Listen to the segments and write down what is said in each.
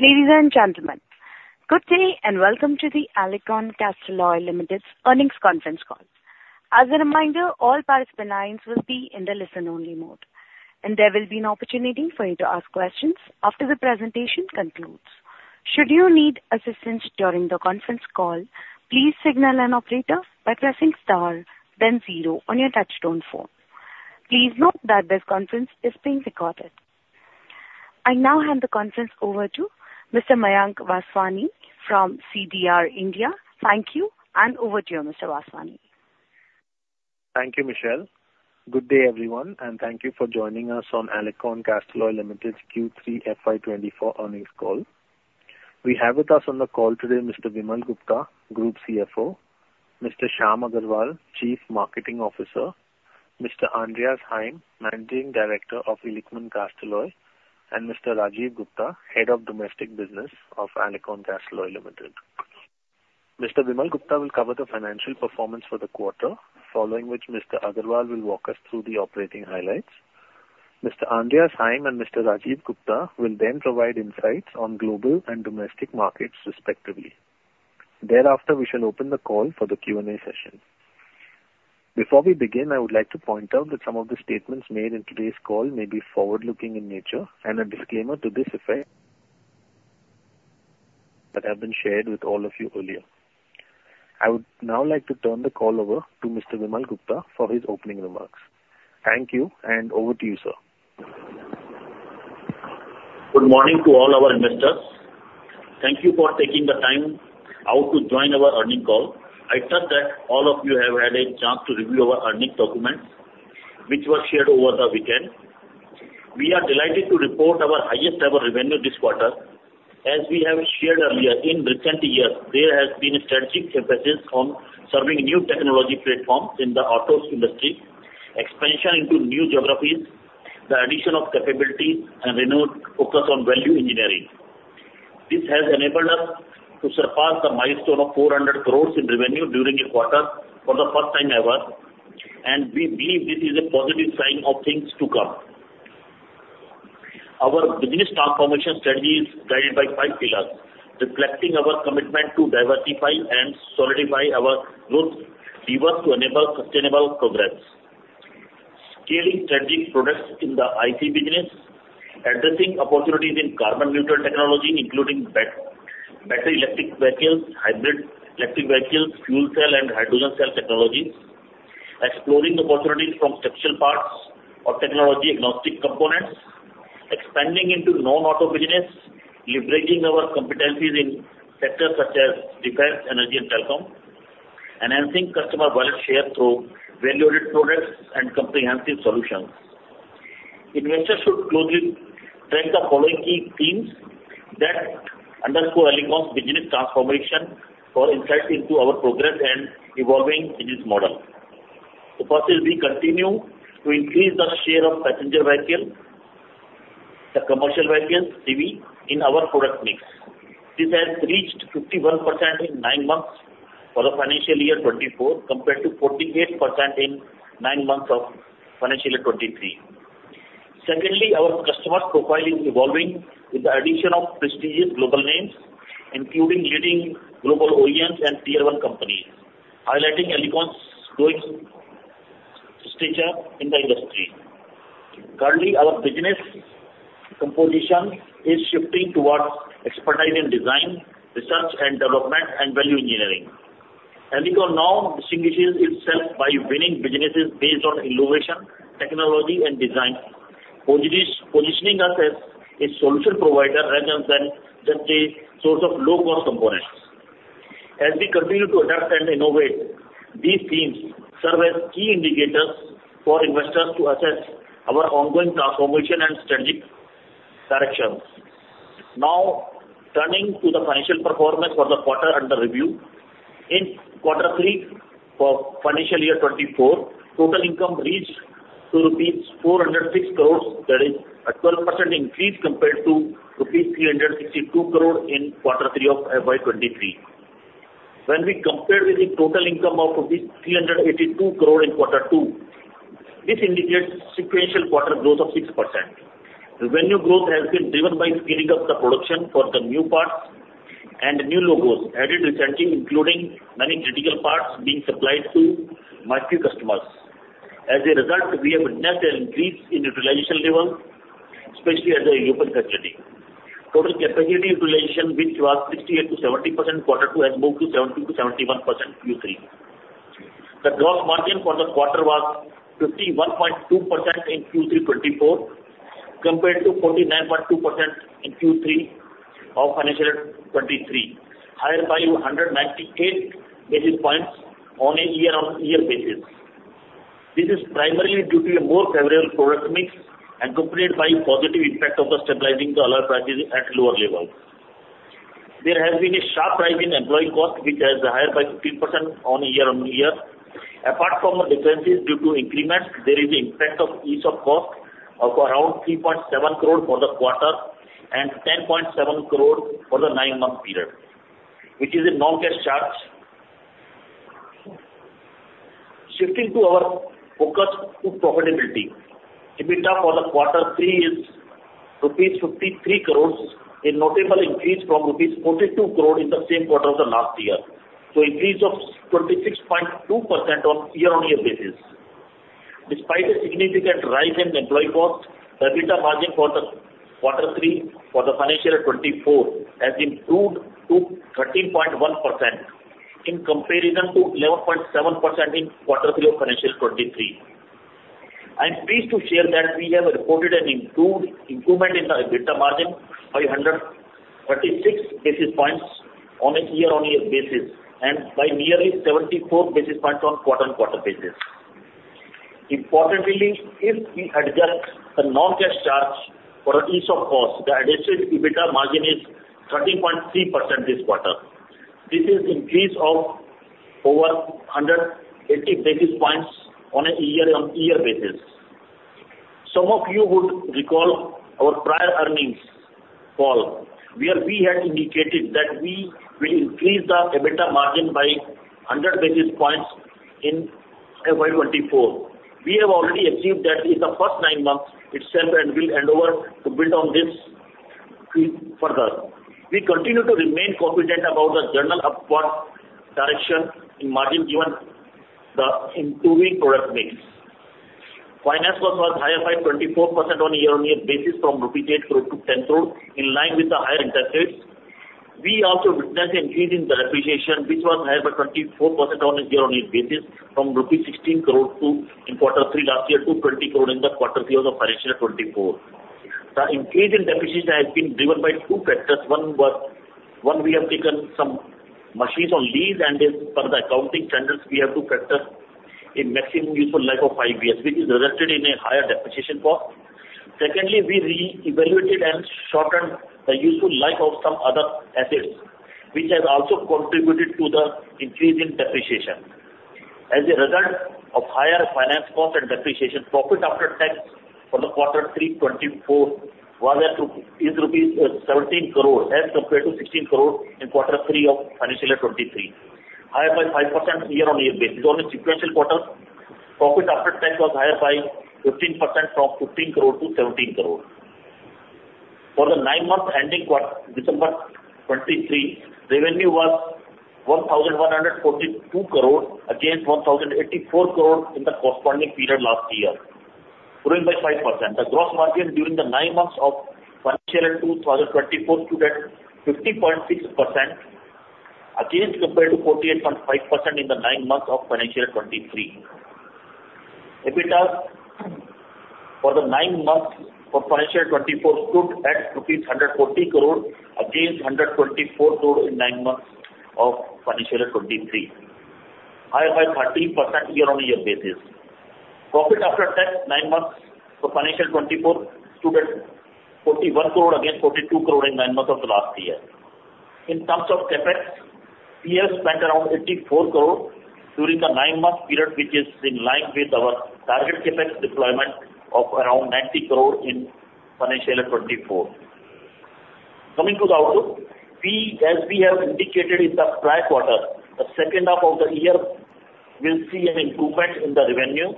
Ladies and gentlemen, good day and welcome to the Alicon Castalloy Limited's earnings conference call. As a reminder, all participants will be in the listen-only mode, and there will be an opportunity for you to ask questions after the presentation concludes. Should you need assistance during the conference call, please signal an operator by pressing star, then 0 on your touch-tone phone. Please note that this conference is being recorded. I now hand the conference over to Mr. Mayank Vaswani from CDR India. Thank you, and over to you, Mr. Vaswani. Thank you, Michelle. Good day everyone, and thank you for joining us on Alicon Castalloy Limited's Q3 FY 2024 earnings call. We have with us on the call today Mr. Vimal Gupta, Group CFO, Mr. Shyam Agarwal, Chief Marketing Officer, Mr. Andreas Heim, Managing Director of Illichmann Castalloy, and Mr. Rajiv Gupta, Head of Domestic Business of Alicon Castalloy Limited. Mr. Vimal Gupta will cover the financial performance for the quarter, following which Mr. Agarwal will walk us through the operating highlights. Mr. Andreas Heim and Mr. Rajiv Gupta will then provide insights on global and domestic markets, respectively. Thereafter, we shall open the call for the Q&A session. Before we begin, I would like to point out that some of the statements made in today's call may be forward-looking in nature and a disclaimer to this effect that have been shared with all of you earlier. I would now like to turn the call over to Mr. Vimal Gupta for his opening remarks. Thank you, and over to you, sir. Good morning to all our investors. Thank you for taking the time out to join our earnings call. I trust that all of you have had a chance to review our earnings documents, which were shared over the weekend. We are delighted to report our highest-ever revenue this quarter. As we have shared earlier, in recent years, there has been a strategic emphasis on serving new technology platforms in the auto industry, expansion into new geographies, the addition of capabilities, and renewed focus on value engineering. This has enabled us to surpass the milestone of 400 crore in revenue during a quarter for the first time ever, and we believe this is a positive sign of things to come. Our business transformation strategy is guided by five pillars, reflecting our commitment to diversify and solidify our growth towards enabling sustainable progress: scaling strategic products in the ICE business, addressing opportunities in carbon-neutral technology, including battery electric vehicles, hybrid electric vehicles, fuel cell, and hydrogen cell technologies. Exploring opportunities from structural parts or technology-agnostic components. Expanding into non-auto business, leveraging our competencies in sectors such as defense, energy, and telecom. Enhancing customer wallet share through value-added products and comprehensive solutions. Investors should closely track the following key themes that underscore Alicon's business transformation for insights into our progress and evolving business model. The first is we continue to increase the share of passenger vehicles, the commercial vehicles, CV, in our product mix. This has reached 51% in nine months for the financial year 2024 compared to 48% in nine months of financial year 2023. Secondly, our customer profile is evolving with the addition of prestigious global names, including leading global OEMs and Tier 1 companies, highlighting Alicon's growing stature in the industry. Currently, our business composition is shifting towards expertise in design, research and development, and value engineering. Alicon now distinguishes itself by winning businesses based on innovation, technology, and design, positioning us as a solution provider rather than just a source of low-cost components. As we continue to adapt and innovate, these themes serve as key indicators for investors to assess our ongoing transformation and strategic directions. Now, turning to the financial performance for the quarter under review. In quarter three for financial year 2024, total income reached rupees 406 crores. That is a 12% increase compared to rupees 362 crores in quarter three of FY 2023. When we compare with the total income of 382 crores in quarter two, this indicates sequential quarter growth of 6%. Revenue growth has been driven by scaling up the production for the new parts and new logos added recently, including many critical parts being supplied to market customers. As a result, we have witnessed an increase in utilization level, especially as a European facility. Total capacity utilization, which was 68%-70% quarter two, has moved to 70%-71% Q3. The gross margin for the quarter was 51.2% in Q3 2024 compared to 49.2% in Q3 of financial year 2023, higher by 198 basis points on a year-on-year basis. This is primarily due to a more favorable product mix accompanied by a positive impact of stabilizing the alloy prices at lower levels. There has been a sharp rise in employee cost, which has been higher by 15% on a year-on-year basis. Apart from the differences due to increments, there is an impact of ESOP cost of around 3.7 crores for the quarter and 10.7 crores for the 9-month period, which is a non-cash charge. Shifting to our focus on profitability, EBITDA for quarter three is rupees 53 crores, a notable increase from rupees 42 crores in the same quarter of the last year, so an increase of 26.2% on a year-on-year basis. Despite a significant rise in employee cost, the EBITDA margin for quarter three for financial year 2024 has improved to 13.1% in comparison to 11.7% in quarter three of financial year 2023. I am pleased to share that we have reported an improvement in the EBITDA margin by 136 basis points on a year-on-year basis and by nearly 74 basis points on a quarter-on-quarter basis. Importantly, if we adjust the non-cash charge for the ESOP cost, the adjusted EBITDA margin is 13.3% this quarter. This is an increase of over 180 basis points on a year-on-year basis. Some of you would recall our prior earnings call, where we had indicated that we will increase the EBITDA margin by 100 basis points in FY 2024. We have already achieved that in the first nine months itself and intend to build on this further. We continue to remain confident about the general upward direction in margin given the improving product mix. Finance cost was higher by 24% on a year-on-year basis from rupees 8 crores to 10 crores, in line with the higher interest rates. We also witnessed an increase in depreciation, which was higher by 24% on a year-on-year basis from rupees 16 crores in quarter three last year to 20 crores in the quarter three of financial year 2024. The increase in depreciation has been driven by two factors. One was when we have taken some machines on lease, and for the accounting standards, we have to factor a maximum useful life of five years, which is resulted in a higher depreciation cost. Secondly, we reevaluated and shortened the useful life of some other assets, which has also contributed to the increase in depreciation. As a result of higher finance cost and depreciation, profit after tax for quarter three 2024 is rupees 17 crores as compared to 16 crores in quarter three of financial year 2023, higher by 5% year-on-year basis on a sequential quarter. Profit after tax was higher by 15% from 15 crores to 17 crores. For the 9-month ending December 2023, revenue was 1,142 crores against 1,084 crores in the corresponding period last year, growing by 5%. The gross margin during the nine months of financial year 2024 stood at 50.6% against compared to 48.5% in the nine months of financial year 2023. EBITDA for the nine months of financial year 2024 stood at INR 140 crores against 124 crores in nine months of financial year 2023, higher by 13% year-on-year basis. Profit after tax nine months for financial year 2024 stood at INR 41 crores against INR 42 crores in nine months of the last year. In terms of CapEx, we spent around 84 crores during the 9-month period, which is in line with our target CapEx deployment of around 90 crores in financial year 2024. Coming to the outlook, as we have indicated in the prior quarter, the second half of the year will see an improvement in the revenue,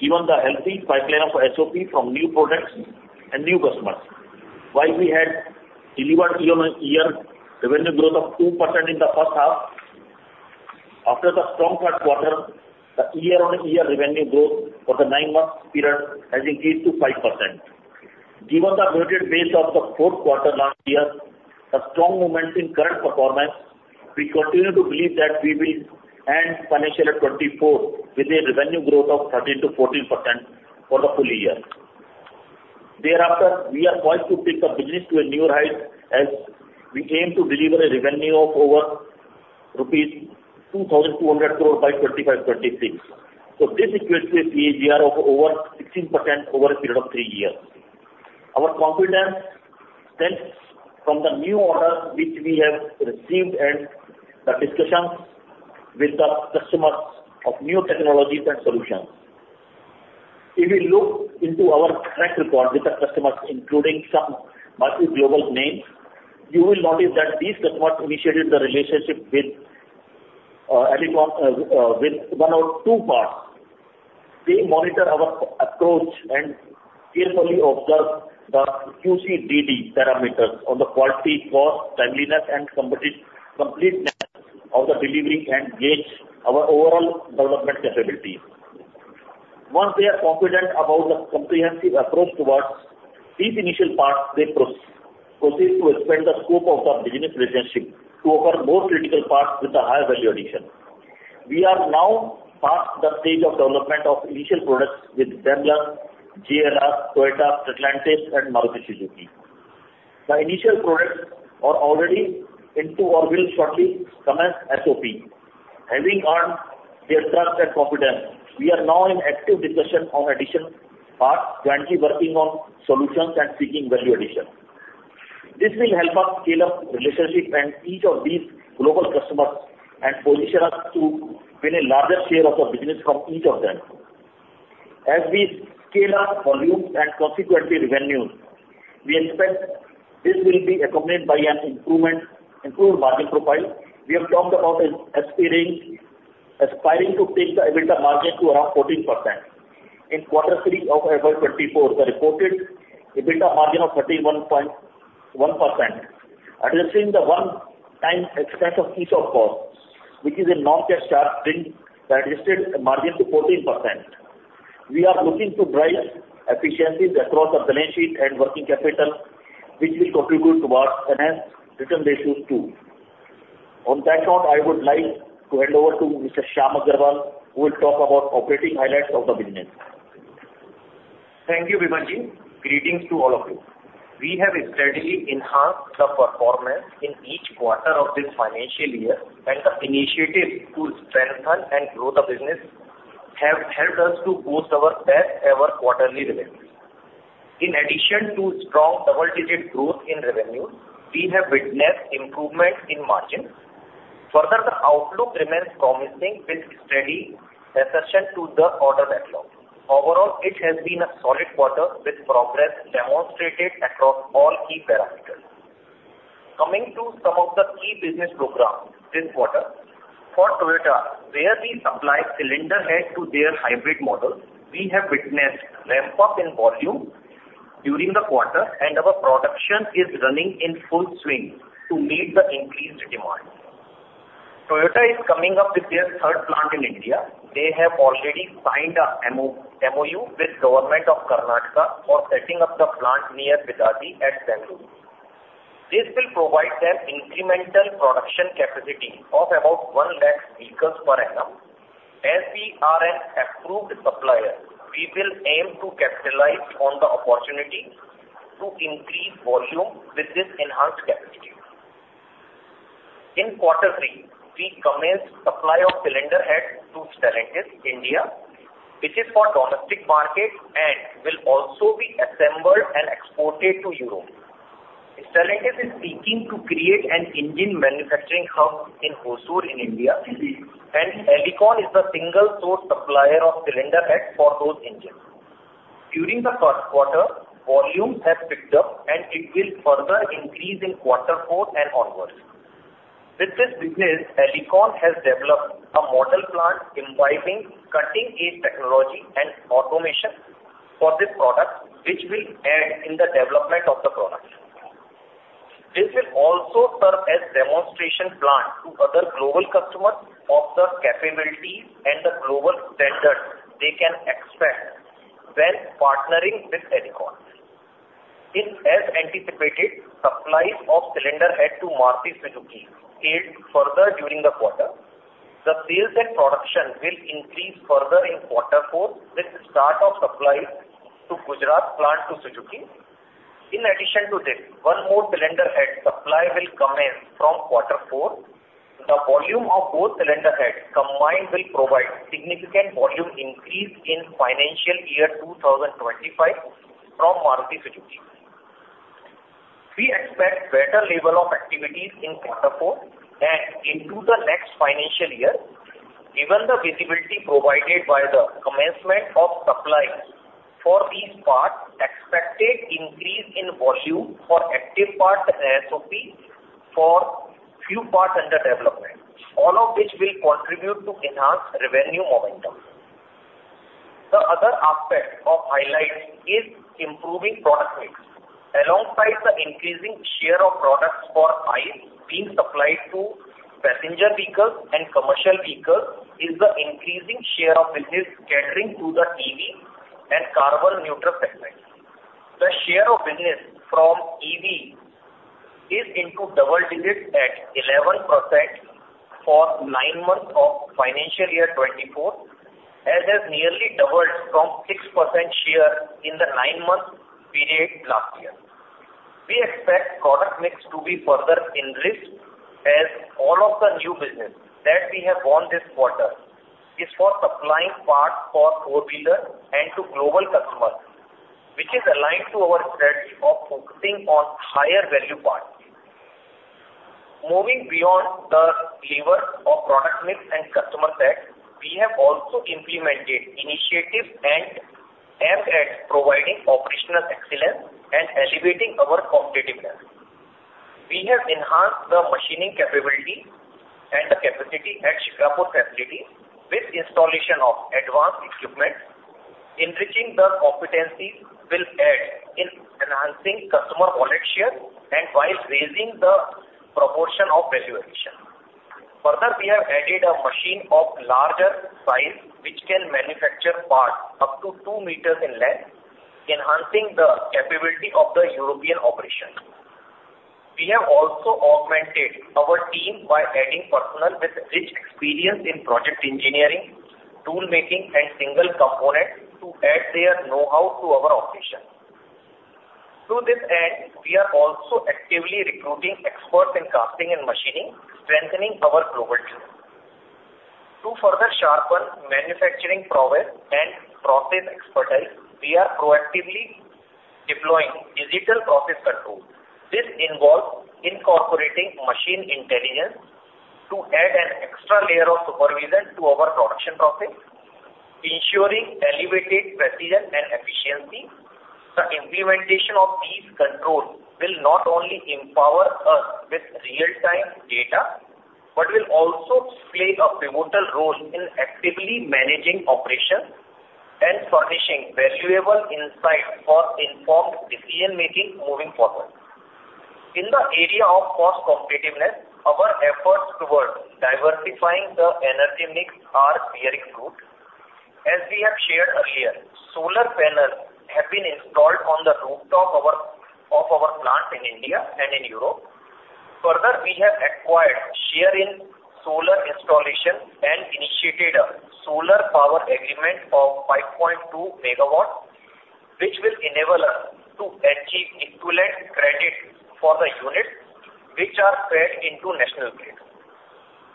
given the healthy pipeline of SOP from new products and new customers. While we had delivered year-on-year revenue growth of 2% in the first half, after the strong third quarter, the year-on-year revenue growth for the 9-month period has increased to 5%. Given the noted base of the fourth quarter last year, the strong momentum in current performance, we continue to believe that we will end financial year 2024 with a revenue growth of 13%-14% for the full year. Thereafter, we are poised to take the business to a new height as we aim to deliver a revenue of over rupees 2,200 crores by 2026. So this equates to a CAGR of over 16% over a period of three years. Our confidence stems from the new orders which we have received and the discussions with the customers of new technologies and solutions. If we look into our track record with the customers, including some market global names, you will notice that these customers initiated the relationship with one or two parts. They monitor our approach and carefully observe the QCDD parameters on the quality, cost, timeliness, and completeness of the delivery and gauge our overall development capabilities. Once they are confident about the comprehensive approach towards these initial parts, they proceed to expand the scope of the business relationship to offer more critical parts with a higher value addition. We are now past the stage of development of initial products with Daimler, JLR, Toyota, Stellantis, and Maruti Suzuki. The initial products are already into or will shortly commence SOP. Having earned their trust and confidence, we are now in active discussion on additional parts jointly working on solutions and seeking value addition. This will help us scale up relationships with each of these global customers and position us to win a larger share of the business from each of them. As we scale up volume and consequently revenue, we expect this will be accompanied by an improved margin profile. We have talked about aspiring to take the EBITDA margin to around 14%. In quarter three of FY 2024, the reported EBITDA margin of 31.1%, addressing the one-time expense of ESOP cost, which is a non-cash charge, brings the adjusted margin to 14%. We are looking to drive efficiencies across the balance sheet and working capital, which will contribute towards enhanced return ratios too. On that note, I would like to hand over to Mr. Shyam Agarwal, who will talk about operating highlights of the business. Thank you, Vimalji. Greetings to all of you. We have strategically enhanced the performance in each quarter of this financial year, and the initiatives to strengthen and grow the business have helped us to boost our best-ever quarterly revenue. In addition to strong double-digit growth in revenue, we have witnessed improvement in margin. Further, the outlook remains promising with steady ascension to the order backlog. Overall, it has been a solid quarter with progress demonstrated across all key parameters. Coming to some of the key business programs this quarter, for Toyota, where we supply cylinder head to their hybrid model, we have witnessed ramp-up in volume during the quarter, and our production is running in full swing to meet the increased demand. Toyota is coming up with their third plant in India. They have already signed a MOU with the Government of Karnataka for setting up the plant near Bidadi at Bengaluru. This will provide them incremental production capacity of about 1,000,000 vehicles per annum. As we are an approved supplier, we will aim to capitalize on the opportunity to increase volume with this enhanced capacity. In quarter three, we commenced supply of cylinder head to Stellantis, India, which is for domestic markets and will also be assembled and exported to Europe. Stellantis is seeking to create an engine manufacturing hub in Hosur, in India, and Alicon is the single-source supplier of cylinder head for those engines. During the first quarter, volume has picked up, and it will further increase in quarter four and onwards. With this business, Alicon has developed a model plant involving cutting-edge technology and automation for this product, which will add in the development of the product. This will also serve as a demonstration plant to other global customers of the capabilities and the global standards they can expect when partnering with Alicon. As anticipated, supplies of cylinder head to Maruti Suzuki scaled further during the quarter. The sales and production will increase further in quarter four with the start of supplies to Gujarat plant to Suzuki. In addition to this, one more cylinder head supply will come in from quarter four. The volume of both cylinder heads combined will provide significant volume increase in financial year 2025 from Maruti Suzuki. We expect better levels of activities in quarter four and into the next financial year. Given the visibility provided by the commencement of supplies for these parts, expected increase in volume for active parts and SOPs for few parts under development, all of which will contribute to enhanced revenue momentum. The other aspect of highlights is improving product mix. Alongside the increasing share of products for ICE being supplied to passenger vehicles and commercial vehicles, is the increasing share of business catering to the EV and carbon neutral segments. The share of business from EV is into double digits at 11% for nine months of financial year 2024, as has nearly doubled from 6% share in the nine-month period last year. We expect product mix to be further enriched as all of the new business that we have won this quarter is for supplying parts for four-wheelers and to global customers, which is aligned to our strategy of focusing on higher value parts. Moving beyond the lever of product mix and customer sets, we have also implemented initiatives aimed at providing operational excellence and elevating our competitiveness. We have enhanced the machining capability and the capacity at Shikrapur facilities with the installation of advanced equipment. Enriching the competencies will add in enhancing customer wallet share and while raising the proportion of value addition. Further, we have added a machine of larger size, which can manufacture parts up to two meters in length, enhancing the capability of the European operation. We have also augmented our team by adding personnel with rich experience in project engineering, toolmaking, and single components to add their know-how to our operation. To this end, we are also actively recruiting experts in casting and machining, strengthening our global team. To further sharpen manufacturing prowess and process expertise, we are proactively deploying digital process control. This involves incorporating machine intelligence to add an extra layer of supervision to our production process, ensuring elevated precision and efficiency. The implementation of these controls will not only empower us with real-time data but will also play a pivotal role in actively managing operations and furnishing valuable insights for informed decision-making moving forward. In the area of cost competitiveness, our efforts toward diversifying the energy mix are bearing fruit. As we have shared earlier, solar panels have been installed on the rooftop of our plants in India and in Europe. Further, we have acquired share in solar installation and initiated a solar power agreement of 5.2 megawatts, which will enable us to achieve equivalent credit for the units which are fed into national grids.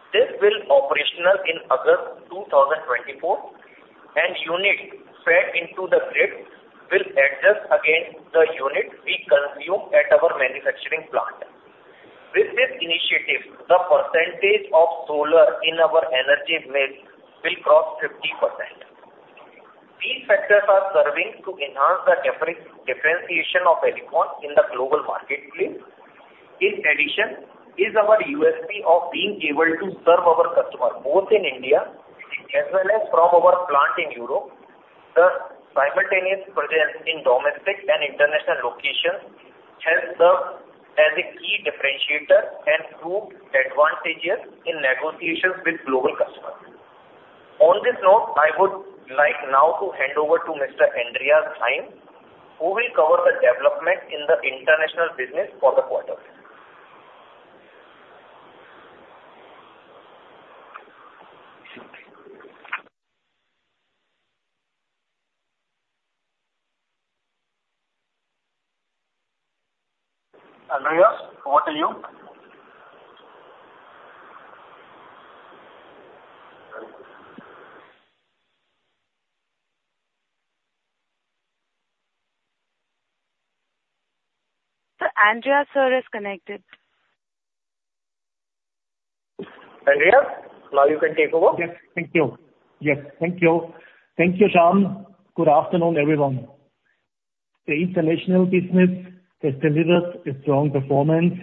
This will be operational in August 2024, and units fed into the grid will address against the units we consume at our manufacturing plant. With this initiative, the percentage of solar in our energy mix will cross 50%. These factors are serving to enhance the differentiation of Alicon in the global marketplace. In addition, our USP of being able to serve our customers both in India as well as from our plant in Europe. The simultaneous presence in domestic and international locations helps serve as a key differentiator and prove advantageous in negotiations with global customers. On this note, I would like now to hand over to Mr. Andreas Heim, who will cover the development in the international business for the quarter. Andreas, what are you? Sir, Andreas Sir is connected. Andreas, now you can take over. Yes, thank you. Yes, thank you. Thank you, Shyam. Good afternoon, everyone. The international business has delivered a strong performance.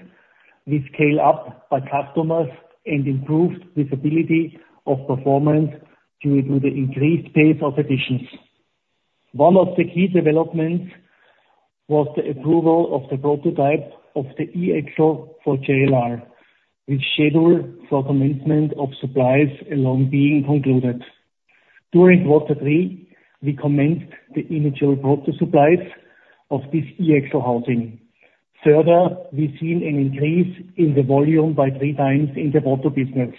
We scaled up by customers and improved visibility of performance due to the increased pace of additions. One of the key developments was the approval of the prototype of the E-Axle for JLR, with schedule for commencement of supplies along being concluded. During quarter three, we commenced the initial proto supplies of this E-Axle housing. Further, we've seen an increase in the volume by three times in the proto business.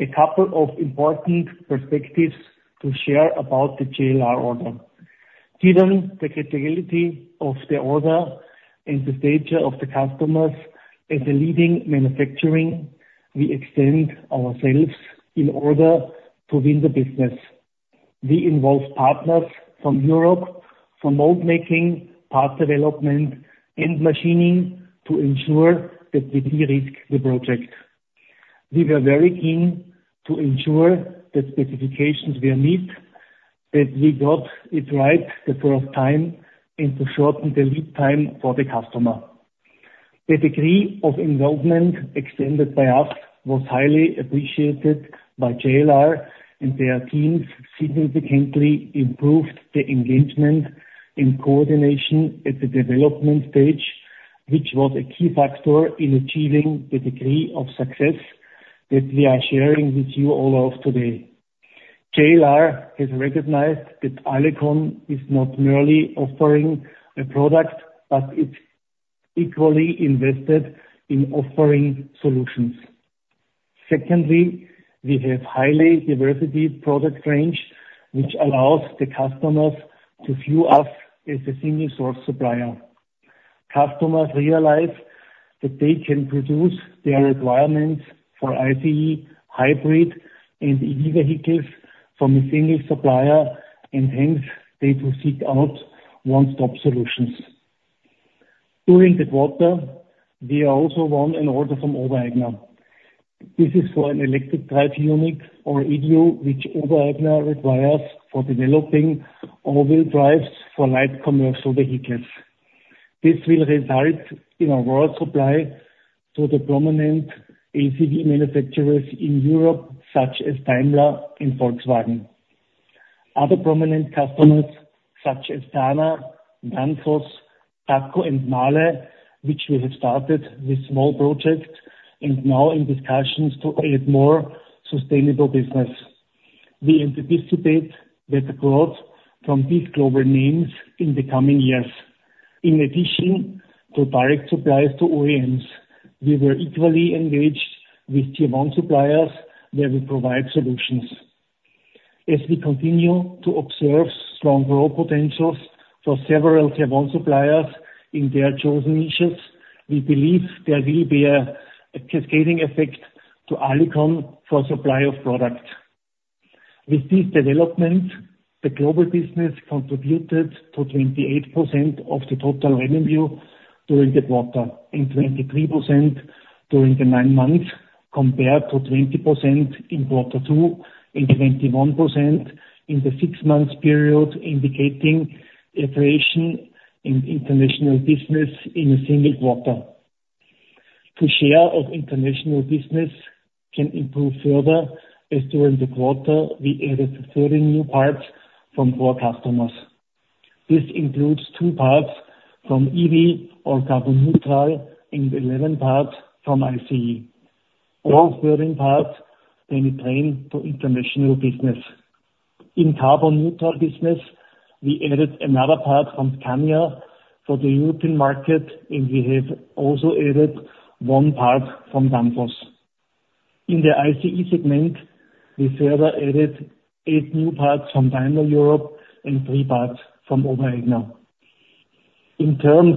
A couple of important perspectives to share about the JLR order. Given the capability of the order and the stature of the customers as a leading manufacturing, we extend ourselves in order to win the business. We involve partners from Europe for mold-making, part development, and machining to ensure that we de-risk the project. We were very keen to ensure the specifications we need, that we got it right the first time, and to shorten the lead time for the customer. The degree of involvement extended by us was highly appreciated by JLR, and their teams significantly improved the engagement and coordination at the development stage, which was a key factor in achieving the degree of success that we are sharing with you all of today. JLR has recognized that Alicon is not merely offering a product, but it's equally invested in offering solutions. Secondly, we have a highly diversified product range, which allows the customers to view us as a single-source supplier. Customers realize that they can produce their requirements for ICE, hybrid, and EV vehicles from a single supplier, and hence, they do seek out one-stop solutions. During the quarter, we also won an order from Oberaigner. This is for an electric drive unit or EDU, which Oberaigner requires for developing all-wheel drives for light commercial vehicles. This will result in a world supply to the prominent LCV manufacturers in Europe, such as Daimler and Volkswagen. Other prominent customers, such as Dana, Danfoss, TACO, and Mahle, which we have started with small projects and now in discussions to add more sustainable business. We anticipate better growth from these global names in the coming years. In addition to direct supplies to OEMs, we were equally engaged with Tier 1 suppliers, where we provide solutions. As we continue to observe strong growth potentials for several Tier 1 suppliers in their chosen niches, we believe they will bear a cascading effect on Alicon for supply of products. With this development, the global business contributed to 28% of the total revenue during the quarter and 23% during the nine months compared to 20% in quarter two and 21% in the six-month period, indicating accretion in international business in a single quarter. The share of international business can improve further as during the quarter, we added 30 new parts from core customers. This includes two parts from EV or carbon neutral and 11 parts from ICE. All 13 parts then train for international business. In carbon neutral business, we added another part from Scania for the European market, and we have also added one part from Danfoss. In the ICE segment, we further added eight new parts from Daimler Europe and three parts from Oberaigner. In terms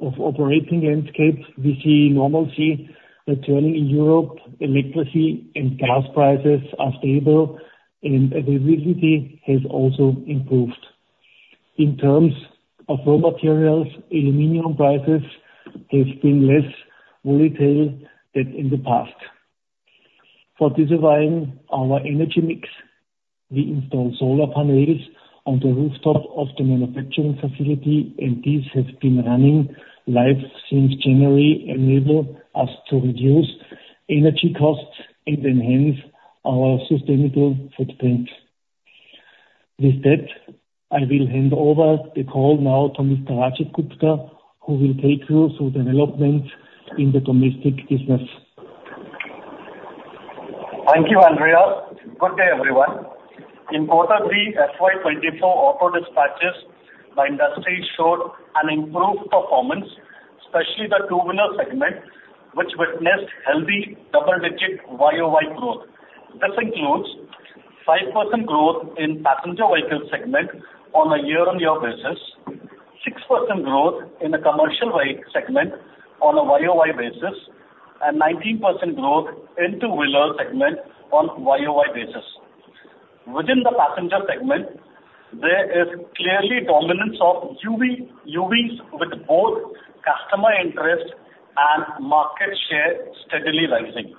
of operating landscape, we see normalcy returning in Europe. Electricity and gas prices are stable, and availability has also improved. In terms of raw materials, aluminum prices have been less volatile than in the past. For diversifying our energy mix, we install solar panels on the rooftop of the manufacturing facility, and these have been running live since January, enabling us to reduce energy costs and enhance our sustainable footprint. With that, I will hand over the call now to Mr. Rajiv Gupta, who will take you through developments in the domestic business. Thank you, Andreas. Good day, everyone. In quarter three, FY 2024 auto dispatches, the industry showed an improved performance, especially the two-wheeler segment, which witnessed healthy double-digit YOY growth. This includes 5% growth in passenger vehicle segment on a year-on-year basis, 6% growth in the commercial vehicle segment on a YOY basis, and 19% growth in two-wheeler segment on a YOY basis. Within the passenger segment, there is clearly dominance of UVs with both customer interest and market share steadily rising.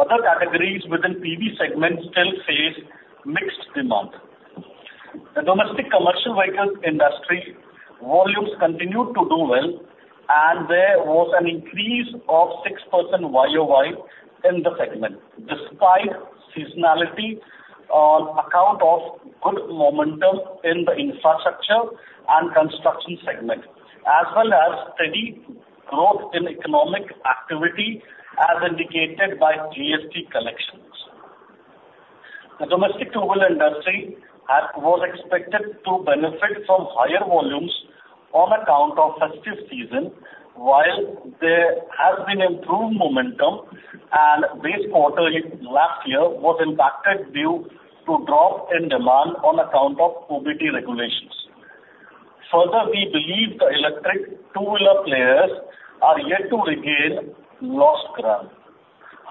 Other categories within PV segments still face mixed demand. The domestic commercial vehicle industry volumes continued to do well, and there was an increase of 6% YOY in the segment despite seasonality on account of good momentum in the infrastructure and construction segment, as well as steady growth in economic activity as indicated by GST collections. The domestic two-wheeler industry was expected to benefit from higher volumes on account of festive season, while there has been improved momentum, and this quarter last year was impacted due to a drop in demand on account of OBD regulations. Further, we believe the electric two-wheeler players are yet to regain lost ground.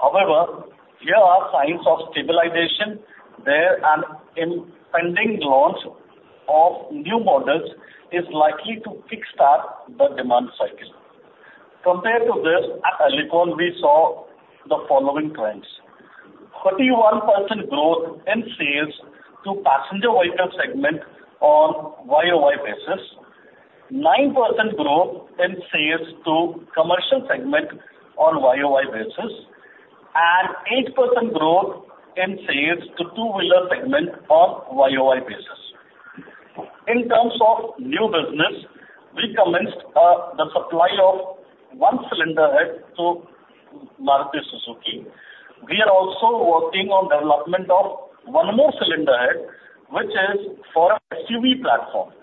However, there are signs of stabilization there, and impending launch of new models is likely to kickstart the demand cycle. Compared to this, at Alicon, we saw the following trends: 31% growth in sales to passenger vehicle segment on a YOY basis, 9% growth in sales to commercial segment on a YOY basis, and 8% growth in sales to two-wheeler segment on a YOY basis. In terms of new business, we commenced the supply of one cylinder heads to Maruti Suzuki. We are also working on development of one more cylinder head, which is for an SUV platform.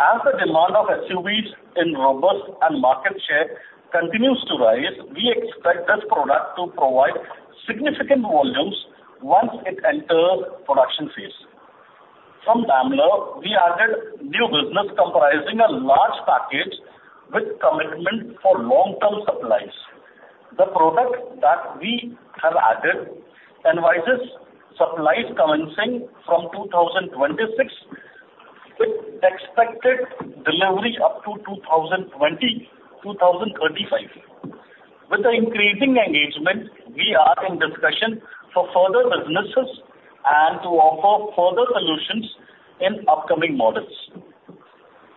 As the demand of SUVs in robust market share continues to rise, we expect this product to provide significant volumes once it enters production phase. From Daimler, we added new business comprising a large package with commitment for long-term supplies. The product that we have added envisions supplies commencing from 2026 with expected delivery up to 2020-2035. With the increasing engagement, we are in discussion for further businesses and to offer further solutions in upcoming models.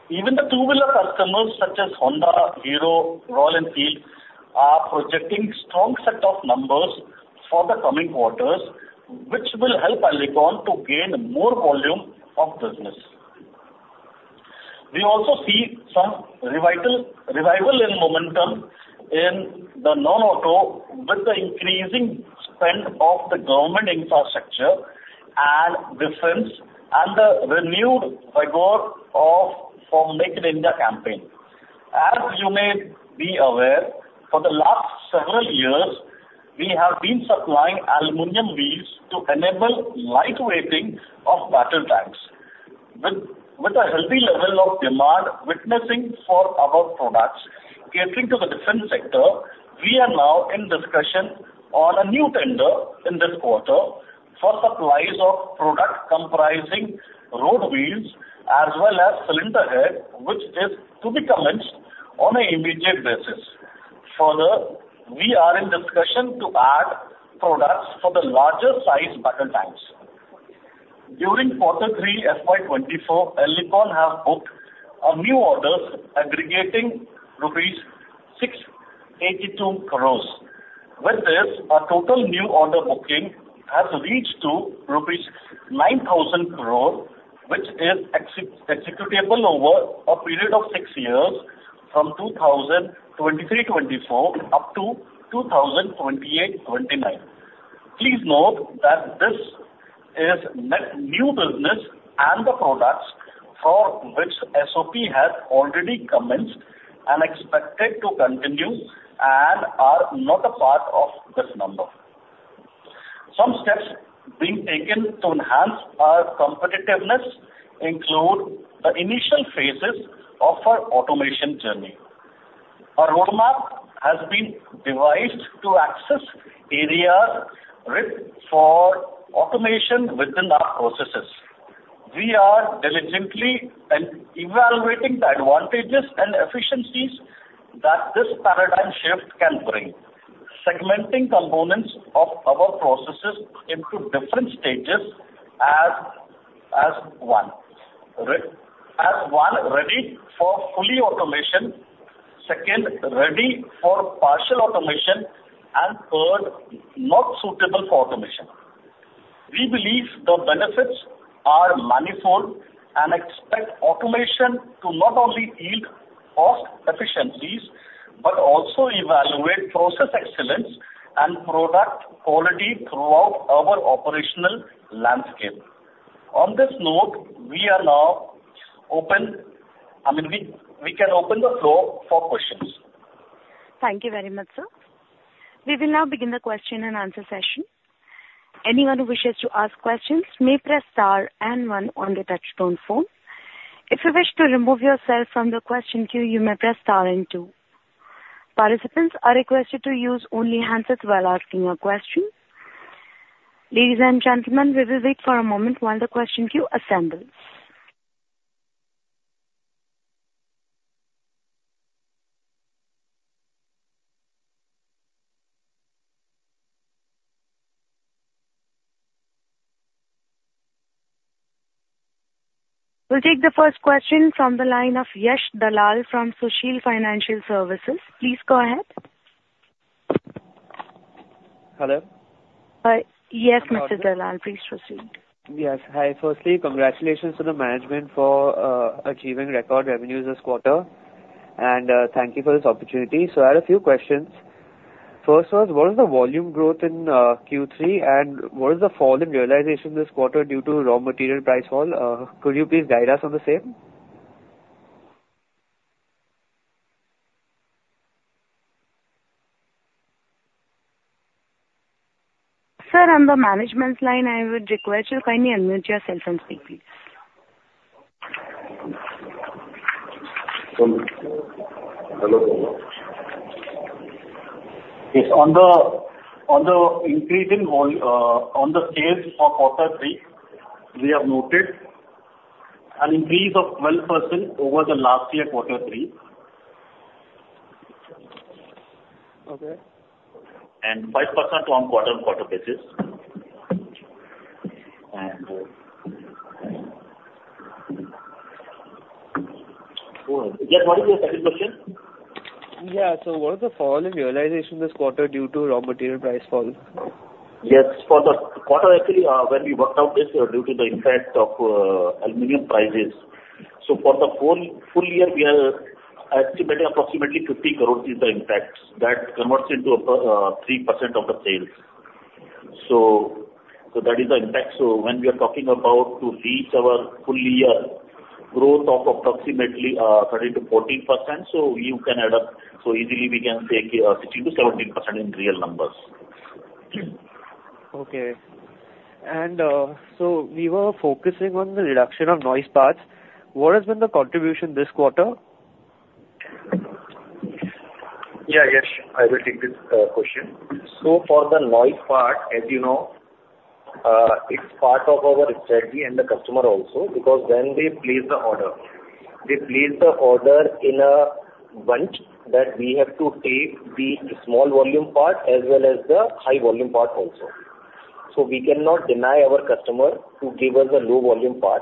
Even the two-wheeler customers such as Honda, Hero, and Royal Enfield are projecting a strong set of numbers for the coming quarters, which will help Alicon to gain more volume of business. We also see some revival in momentum in the non-auto with the increasing spend of the government infrastructure and defense and the renewed rigor of the Make in India campaign. As you may be aware, for the last several years, we have been supplying aluminum wheels to enable light weighting of battle tanks. With a healthy level of demand witnessing for our products catering to the defense sector, we are now in discussion on a new tender in this quarter for supplies of products comprising road wheels as well as cylinder heads, which is to be commenced on an immediate basis. Further, we are in discussion to add products for the larger-sized battle tanks. During quarter three, FY 2024, Alicon has booked new orders aggregating rupees 682 crore. With this, our total new order booking has reached rupees 9,000 crore, which is executable over a period of six years from 2023-2024 up to 2028-2029. Please note that this is net new business and the products for which SOP has already commenced and are expected to continue and are not a part of this number. Some steps being taken to enhance our competitiveness include the initial phases of our automation journey. A roadmap has been devised to assess areas rich for automation within our processes. We are diligently evaluating the advantages and efficiencies that this paradigm shift can bring, segmenting components of our processes into different stages as one: ready for full automation, second: ready for partial automation, and third: not suitable for automation. We believe the benefits are manifold and expect automation to not only yield cost efficiencies but also elevate process excellence and product quality throughout our operational landscape. On this note, we are now open, I mean, we can open the floor for questions. Thank you very much, sir. We will now begin the question and answer session. Anyone who wishes to ask questions may press star and one on the touch-tone phone. If you wish to remove yourself from the question queue, you may press star and two. Participants are requested to use only the handset while asking a question. Ladies and gentlemen, we will wait for a moment while the question queue assembles. We'll take the first question from the line of Yash Dalal from Sushil Financial Services. Please go ahead. Hello? Yes, Mr. Dalal. Please proceed. Yes. Hi. Firstly, congratulations to the management for achieving record revenues this quarter, and thank you for this opportunity. So I have a few questions. First was, what is the volume growth in Q3, and what is the fall in realization this quarter due to raw material price fall? Could you please guide us on the same? Sir, on the management's line, I would request you to kindly unmute yourself and speak, please. Hello, Caller. Yes. On the increase in volume on the sales for quarter three, we have noted an increase of 12% over the last year quarter three and 5% on quarter-over-quarter basis. Yes, what is your second question? Yeah. So what is the fall in realization this quarter due to raw material price fall? Yes. For the quarter, actually, when we worked out this, due to the effect of aluminum prices. So for the full year, we are estimating approximately 50 crores is the impact. That converts into 3% of the sales. So that is the impact. So when we are talking about to reach our full-year growth of approximately 30%-14%, so you can add up so easily, we can say 16%-17% in real numbers. Okay. And so we were focusing on the reduction of noise parts. What has been the contribution this quarter? Yeah. Yes. I will take this question. So for the noise part, as you know, it's part of our strategy and the customer also because then they place the order. They place the order in a bunch that we have to take the small volume part as well as the high volume part also. So we cannot deny our customer to give us a low volume part.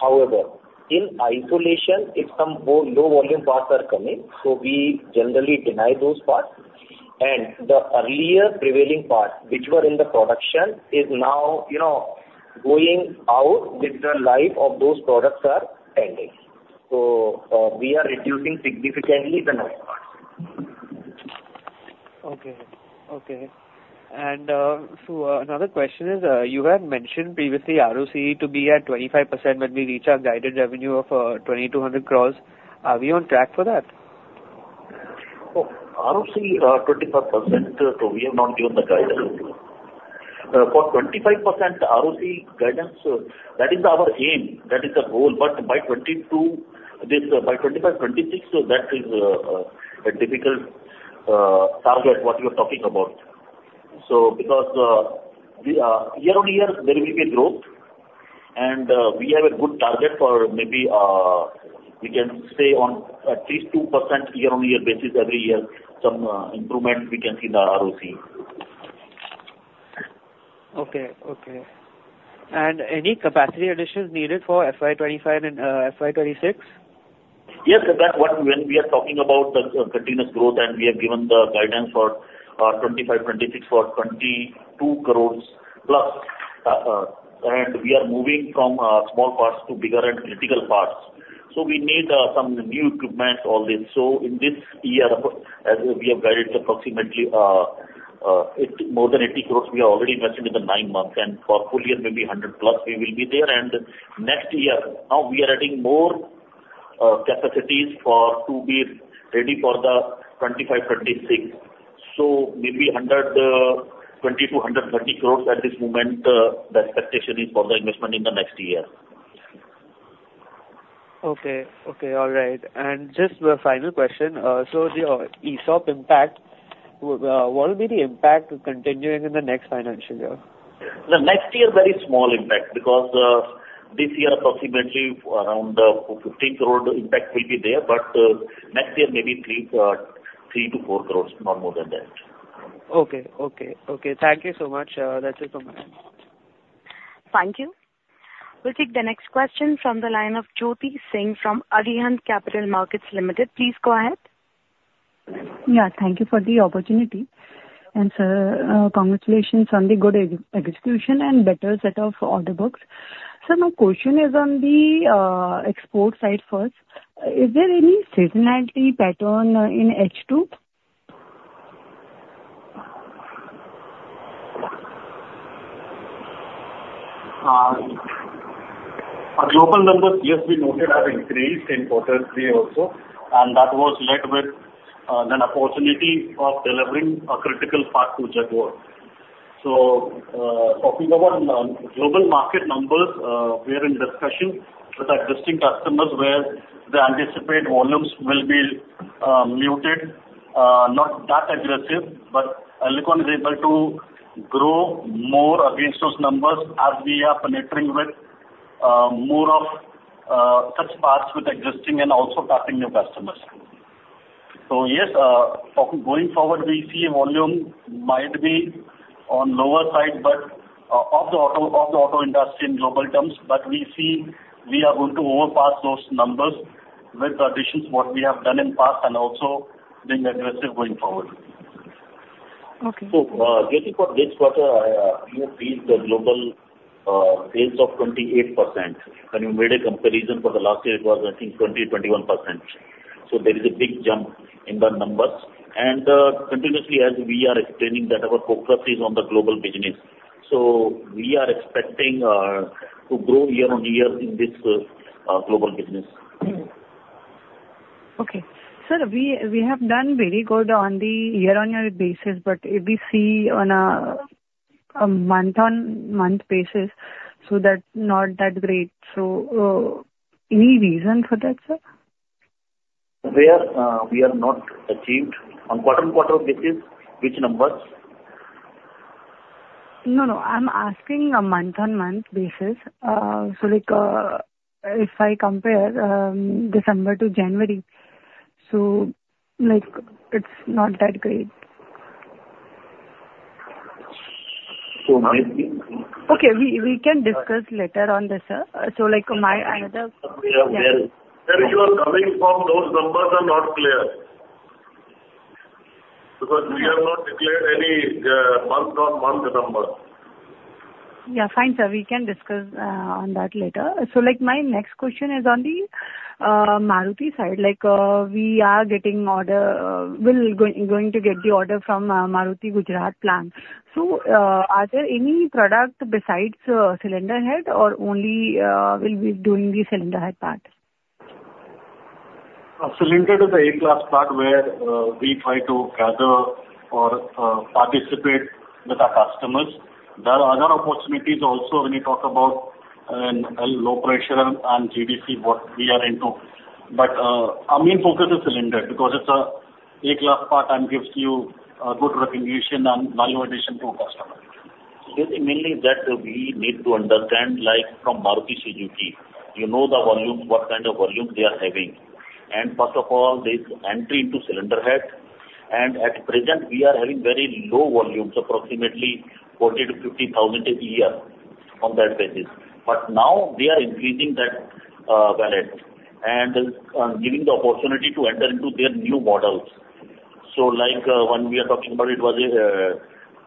However, in isolation, if some low volume parts are coming, so we generally deny those parts. And the earlier prevailing parts, which were in the production, is now going out with the life of those products are ending. So we are reducing significantly the noise parts. Okay. Okay. And so another question is, you had mentioned previously ROC to be at 25% when we reach our guided revenue of 2,200 crores. Are we on track for that? ROC 25%, so we have not given the guidance. For 25% ROC guidance, that is our aim. That is the goal. But by 2025-2026, that is a difficult target, what you are talking about. So because year-on-year, there will be growth, and we have a good target for maybe we can stay on at least 2% year-on-year basis. Every year, some improvement we can see in the ROC. Okay. Okay. And any capacity additions needed for FY 2025 and FY 2026? Yes. When we are talking about the continuous growth and we have given the guidance for 2025-2026 for 22 crore+, and we are moving from small parts to bigger and critical parts. So we need some new equipment, all this. So in this year, as we have guided, approximately more than 80 crore, we are already invested in the nine months. And for full year, maybe 100 crore+, we will be there. And next year, now we are adding more capacities to be ready for the 2025-2026. So maybe 20 crore-130 crore; at this moment, the expectation is for the investment in the next year. Okay. Okay. All right. And just the final question. So the ESOP impact, what will be the impact continuing in the next financial year? The next year, very small impact because this year, approximately around 15 crore impact will be there, but next year, maybe 3 crore-4 crore, not more than that. Okay. Okay. Okay. Thank you so much. That's it from my end. Thank you. We'll take the next question from the line of Jyoti Singh from Arihant Capital Markets Limited. Please go ahead. Yeah. Thank you for the opportunity. And sir, congratulations on the good execution and better set of order books. Sir, my question is on the export side first. Is there any seasonality pattern in H2? Our global numbers, yes, we noted, have increased in quarter three also, and that was led with an opportunity of delivering a critical part to Jaguar. So, talking about global market numbers, we are in discussion with existing customers where the anticipated volumes will be muted, not that aggressive, but Alicon is able to grow more against those numbers as we are penetrating with more of such parts with existing and also tapping new customers. So yes, going forward, we see volume might be on the lower side of the auto industry in global terms, but we see we are going to overpass those numbers with additions what we have done in the past and also being aggressive going forward. Okay. So Jyoti, for this quarter, you have reached the global sales of 28%. When you made a comparison for the last year, it was, I think, 20%-21%. So there is a big jump in the numbers. And continuously, as we are explaining that our focus is on the global business, so we are expecting to grow year-on-year in this global business. Okay. Sir, we have done very good on the year-on-year basis, but if we see on a month-on-month basis, so that's not that great. So any reason for that, sir? We are not achieving on quarter-over-quarter basis, which numbers? No, no. I'm asking a month-on-month basis. So if I compare December to January, so it's not that great. So maybe. Okay. We can discuss later on this, sir. So my another. Where you are coming from, those numbers are not clear because we have not declared any month-on-month number. Yeah. Fine, sir. We can discuss on that later. So my next question is on the Maruti side. We're going to get the order from Maruti Gujarat Plant. So are there any products besides cylinder head or only will be doing the cylinder head part? Cylinder head is an A-class part where we try to gather or participate with our customers. There are other opportunities also when you talk about low pressure and GDC, what we are into. But our main focus is cylinder head because it's an A-class part and gives you good recognition and value addition to a customer. Jyoti, mainly that we need to understand from Maruti Suzuki. You know the volumes, what kind of volume they are having. First of all, there is entry into cylinder head. And at present, we are having very low volumes, approximately 40,000-50,000 a year on that basis. But now they are increasing that volume and giving the opportunity to enter into their new models. So when we are talking about it, it was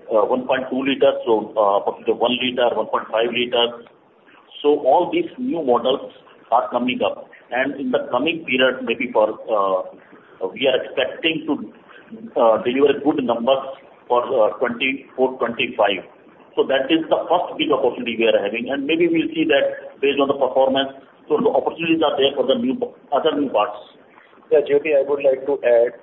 1.2 liters, so approximately one liter, 1.5 liters. So all these new models are coming up. In the coming period, maybe we are expecting to deliver good numbers for 2024-2025. So that is the first big opportunity we are having. And maybe we'll see that based on the performance. So the opportunities are there for the other new parts. Yeah. Jyoti, I would like to add.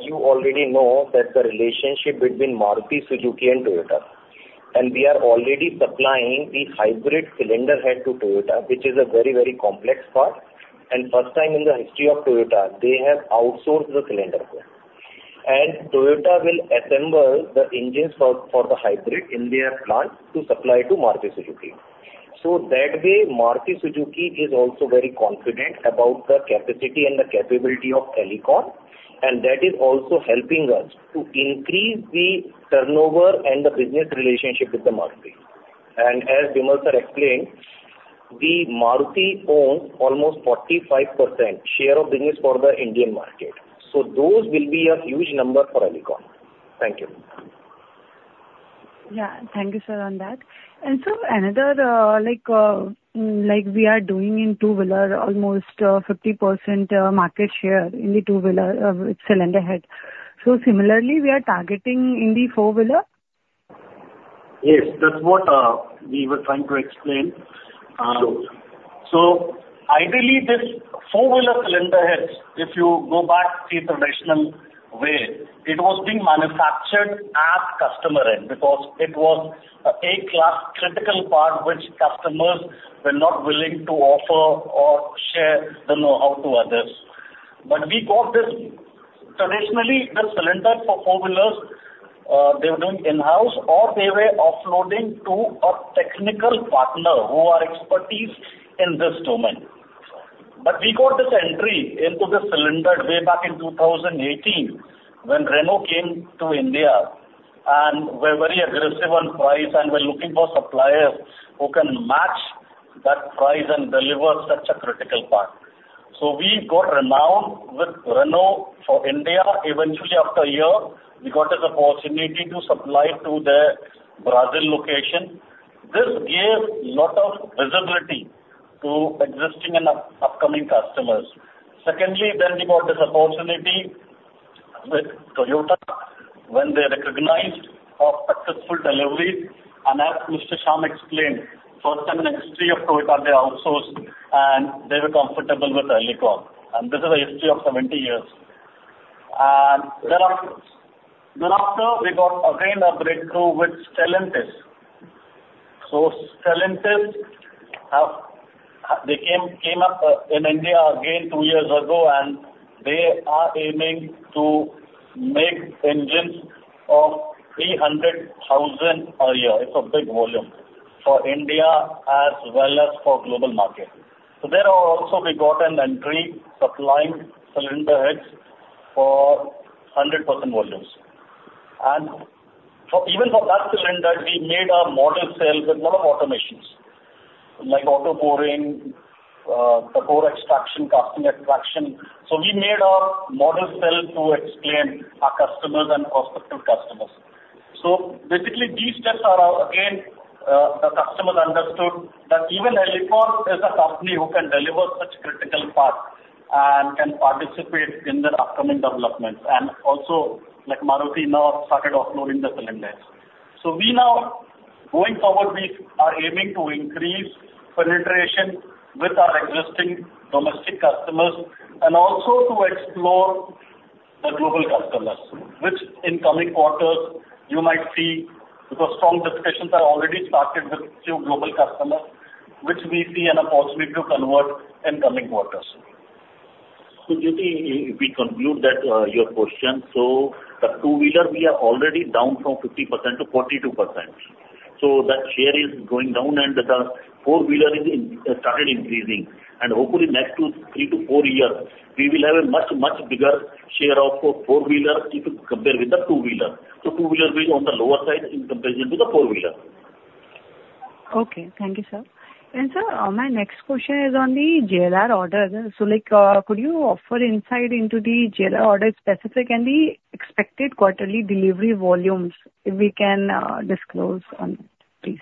You already know the relationship between Maruti Suzuki and Toyota. And we are already supplying the hybrid cylinder head to Toyota, which is a very, very complex part. And first time in the history of Toyota, they have outsourced the cylinder head. And Toyota will assemble the engines for the hybrid in their plant to supply to Maruti Suzuki. So that way, Maruti Suzuki is also very confident about the capacity and the capability of Alicon, and that is also helping us to increase the turnover and the business relationship with the Maruti. As Vimalji are explaining, the Maruti owns almost 45% share of business for the Indian market. So those will be a huge number for Alicon. Thank you. Yeah. Thank you, sir, on that. And so another, we are doing in two-wheeler almost 50% market share in the two-wheeler with cylinder head. So similarly, we are targeting in the four-wheeler? Yes. That's what we were trying to explain. So ideally, this four-wheeler cylinder head, if you go back, see traditional way, it was being manufactured at customer end because it was an A-class critical part which customers were not willing to offer or share the know-how to others. But we got this traditionally, the cylinder for four-wheelers, they were doing in-house or they were offloading to a technical partner who are experts in this domain. But we got this entry into the cylinder way back in 2018 when Renault came to India and were very aggressive on price and were looking for suppliers who can match that price and deliver such a critical part. So we got renowned with Renault for India. Eventually, after a year, we got this opportunity to supply to their Brazil location. This gave a lot of visibility to existing and upcoming customers. Secondly, then we got this opportunity with Toyota when they recognized our successful deliveries. As Mr. Shyam explained, first time in the history of Toyota, they outsourced and they were comfortable with Alicon. And this is a history of 70 years. And thereafter, we got again a breakthrough with Stellantis. Stellantis, they came up in India again two years ago, and they are aiming to make engines of 300,000 a year. It's a big volume for India as well as for global market. So there also, we got an entry supplying cylinder heads for 100% volumes. And even for that cylinder, we made a model cell with a lot of automations like auto pouring, core extraction, casting extraction. So we made a model cell to explain our customers and prospective customers. So basically, these steps are again, the customers understood that even Alicon is a company who can deliver such critical parts and can participate in the upcoming developments. And also, Maruti now started offloading the cylinders. So now, going forward, we are aiming to increase penetration with our existing domestic customers and also to explore the global customers, which in coming quarters, you might see because strong discussions are already started with a few global customers, which we see an opportunity to convert in coming quarters. So Jyoti, if we conclude your question, so the two-wheeler, we are already down from 50% to 42%. So that share is going down, and the four-wheeler has started increasing. And hopefully, next three to four years, we will have a much, much bigger share of four-wheeler if compared with the two-wheeler. Two-wheeler will be on the lower side in comparison to the four-wheeler. Okay. Thank you, sir. Sir, my next question is on the JLR order. So could you offer insight into the JLR order specific and the expected quarterly delivery volumes if we can disclose on that, please?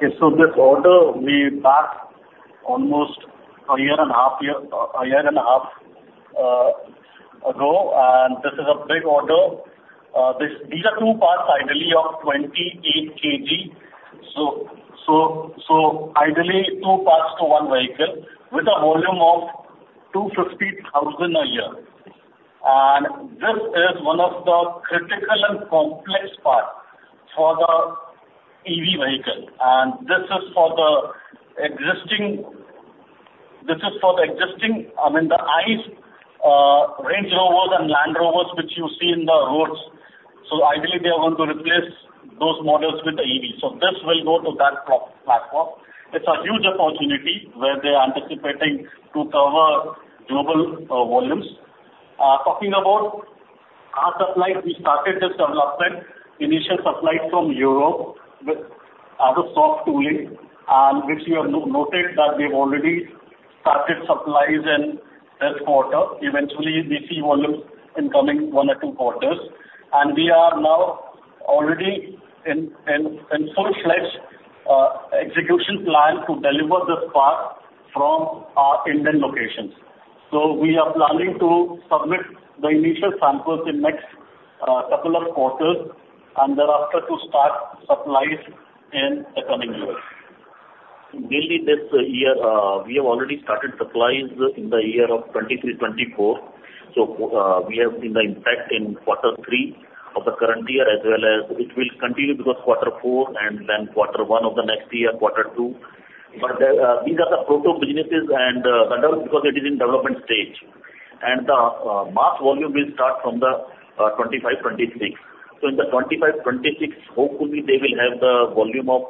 Yes. So this order, we passed almost a year and a half ago, and this is a big order. These are two parts ideally of 28 kg, so ideally two parts to one vehicle with a volume of 250,000 a year. And this is one of the critical and complex parts for the EV vehicle. And this is for the existing, I mean, the ICE Range Rovers and Land Rovers, which you see in the roads. So ideally, they are going to replace those models with the EV. So this will go to that platform. It's a huge opportunity where they are anticipating to cover global volumes. Talking about our supplies, we started this development, initial supplies from Europe as a soft tooling, which you have noted that they've already started supplies in this quarter. Eventually, we see volumes in coming one or two quarters. We are now already in full-fledged execution plan to deliver this part from our Indian locations. We are planning to submit the initial samples in the next couple of quarters and thereafter to start supplies in the coming year. Mainly, this year, we have already started supplies in the year of 2023-2024. We have been in effect in quarter three of the current year as well as it will continue because quarter four and then quarter one of the next year, quarter two. But these are the proto-businesses and the double because it is in development stage. The mass volume will start from the 2025-2026. In the 2025-2026, hopefully, they will have the volume of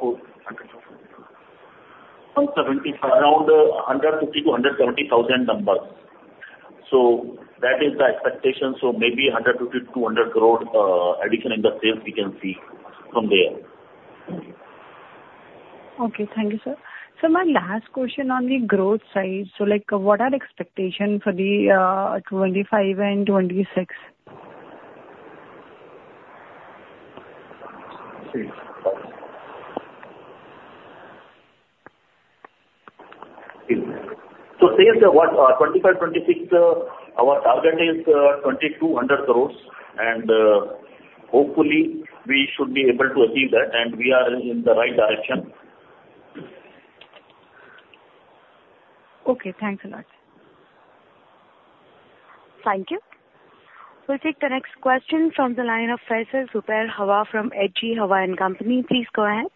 around 150-170 thousand numbers. That is the expectation. Maybe 150-200 crore addition in the sales we can see from there. Okay. Thank you, sir. Sir, my last question on the growth side. So what are the expectations for the 2025 and 2026? So, sir, for 2025-26, our target is 2,200 crore. Hopefully, we should be able to achieve that, and we are in the right direction. Okay. Thanks a lot. Thank you. We'll take the next question from the line of Faisal Zubair Hawa from HG Hawa and Company. Please go ahead.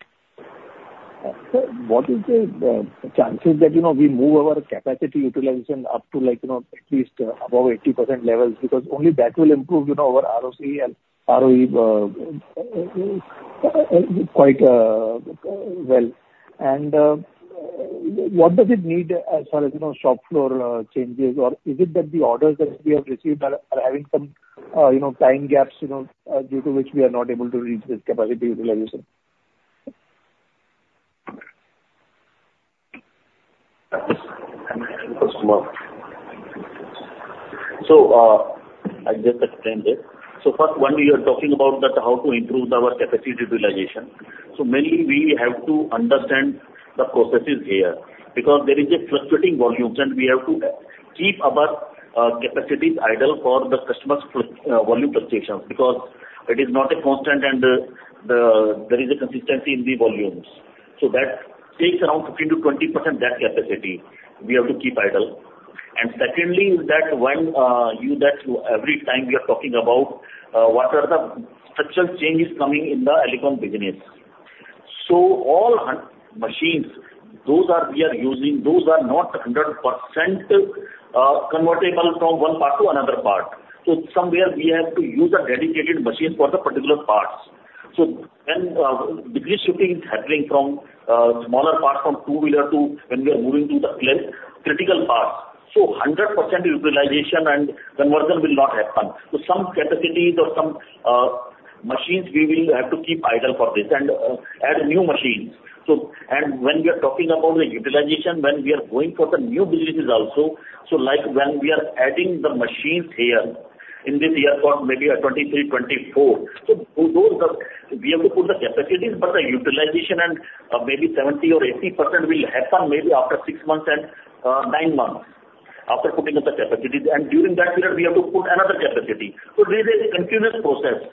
Sir, what is the chance that we move our capacity utilization up to at least above 80% levels because only that will improve our ROC and ROE quite well? And what does it need as far as shop floor changes? Or is it that the orders that we have received are having some time gaps due to which we are not able to reach this capacity utilization? So I'll just explain this. So first, when you are talking about how to improve our capacity utilization, so mainly, we have to understand the processes here because there is a fluctuating volume, and we have to keep our capacities idle for the customers' volume fluctuations because it is not a constant, and there is a consistency in the volumes. So that takes around 15%-20% of that capacity. We have to keep idle. And secondly, is that when you that every time we are talking about what are the structural changes coming in the Alicon business? So all machines, those are we are using. Those are not 100% convertible from one part to another part. So somewhere, we have to use a dedicated machine for the particular parts. So then the green shifting is happening from smaller parts from two-wheeler to when we are moving to the critical parts. So 100% utilization and conversion will not happen. So some capacities or some machines, we will have to keep idle for this and add new machines. When we are talking about the utilization, when we are going for the new businesses also, so when we are adding the machines here in this year for maybe 2023-2024, so we have to put the capacities, but the utilization and maybe 70% or 80% will happen maybe after six months and nine months after putting up the capacities. And during that period, we have to put another capacity. So this is a continuous process.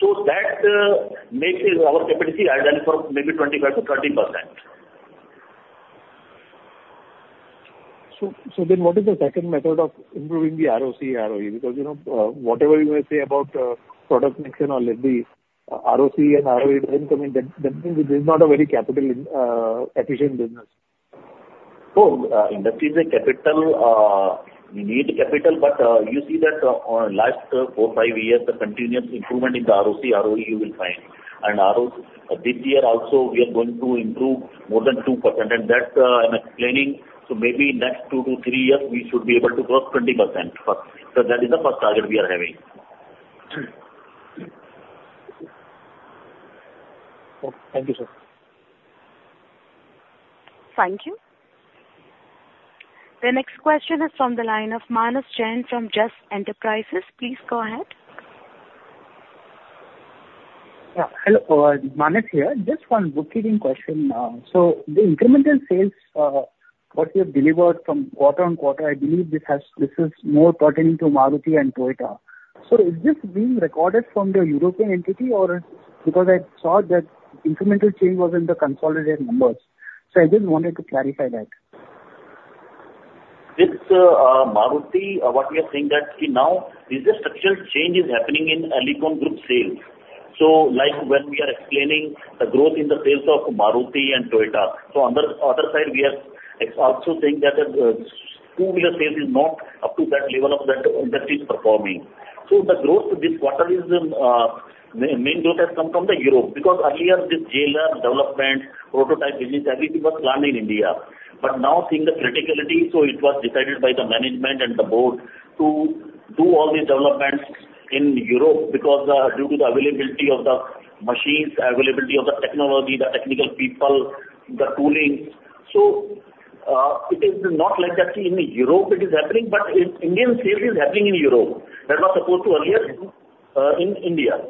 So that makes our capacity idle for maybe 25%-30%. So then what is the second method of improving the ROC and ROE? Because whatever you may say about product mix and all, if the ROC and ROE doesn't come in, that means this is not a very capital-efficient business. Oh, industry is a capital. We need capital. But you see that on the last 4-5 years, the continuous improvement in the ROC, ROE, you will find. And this year also, we are going to improve more than 2%. And that I'm explaining. So maybe next 2-3 years, we should be able to cross 20%. So that is the first target we are having. Okay. Thank you, sir. Thank you. The next question is from the line of Manas Jain from Jus Enterprises. Please go ahead. Yeah. Hello. Manas here. Just one bookkeeping question. So the incremental sales what we have delivered from quarter-over-quarter, I believe this is more pertaining to Maruti and Toyota. So is this being recorded from the European entity or because I saw that incremental change was in the consolidated numbers? So I just wanted to clarify that. With Maruti, what we are seeing that now is the structural change is happening in Alicon Group sales. So when we are explaining the growth in the sales of Maruti and Toyota, so on the other side, we are also saying that two-wheeler sales is not up to that level of that industry is performing. So the growth this quarter is main growth has come from Europe because earlier, this JLR development, prototype business, everything was planned in India. But now seeing the criticality, so it was decided by the management and the board to do all these developments in Europe due to the availability of the machines, availability of the technology, the technical people, the toolings. So it is not like that in Europe, it is happening, but Indian sales is happening in Europe. That was supposed to earlier in India.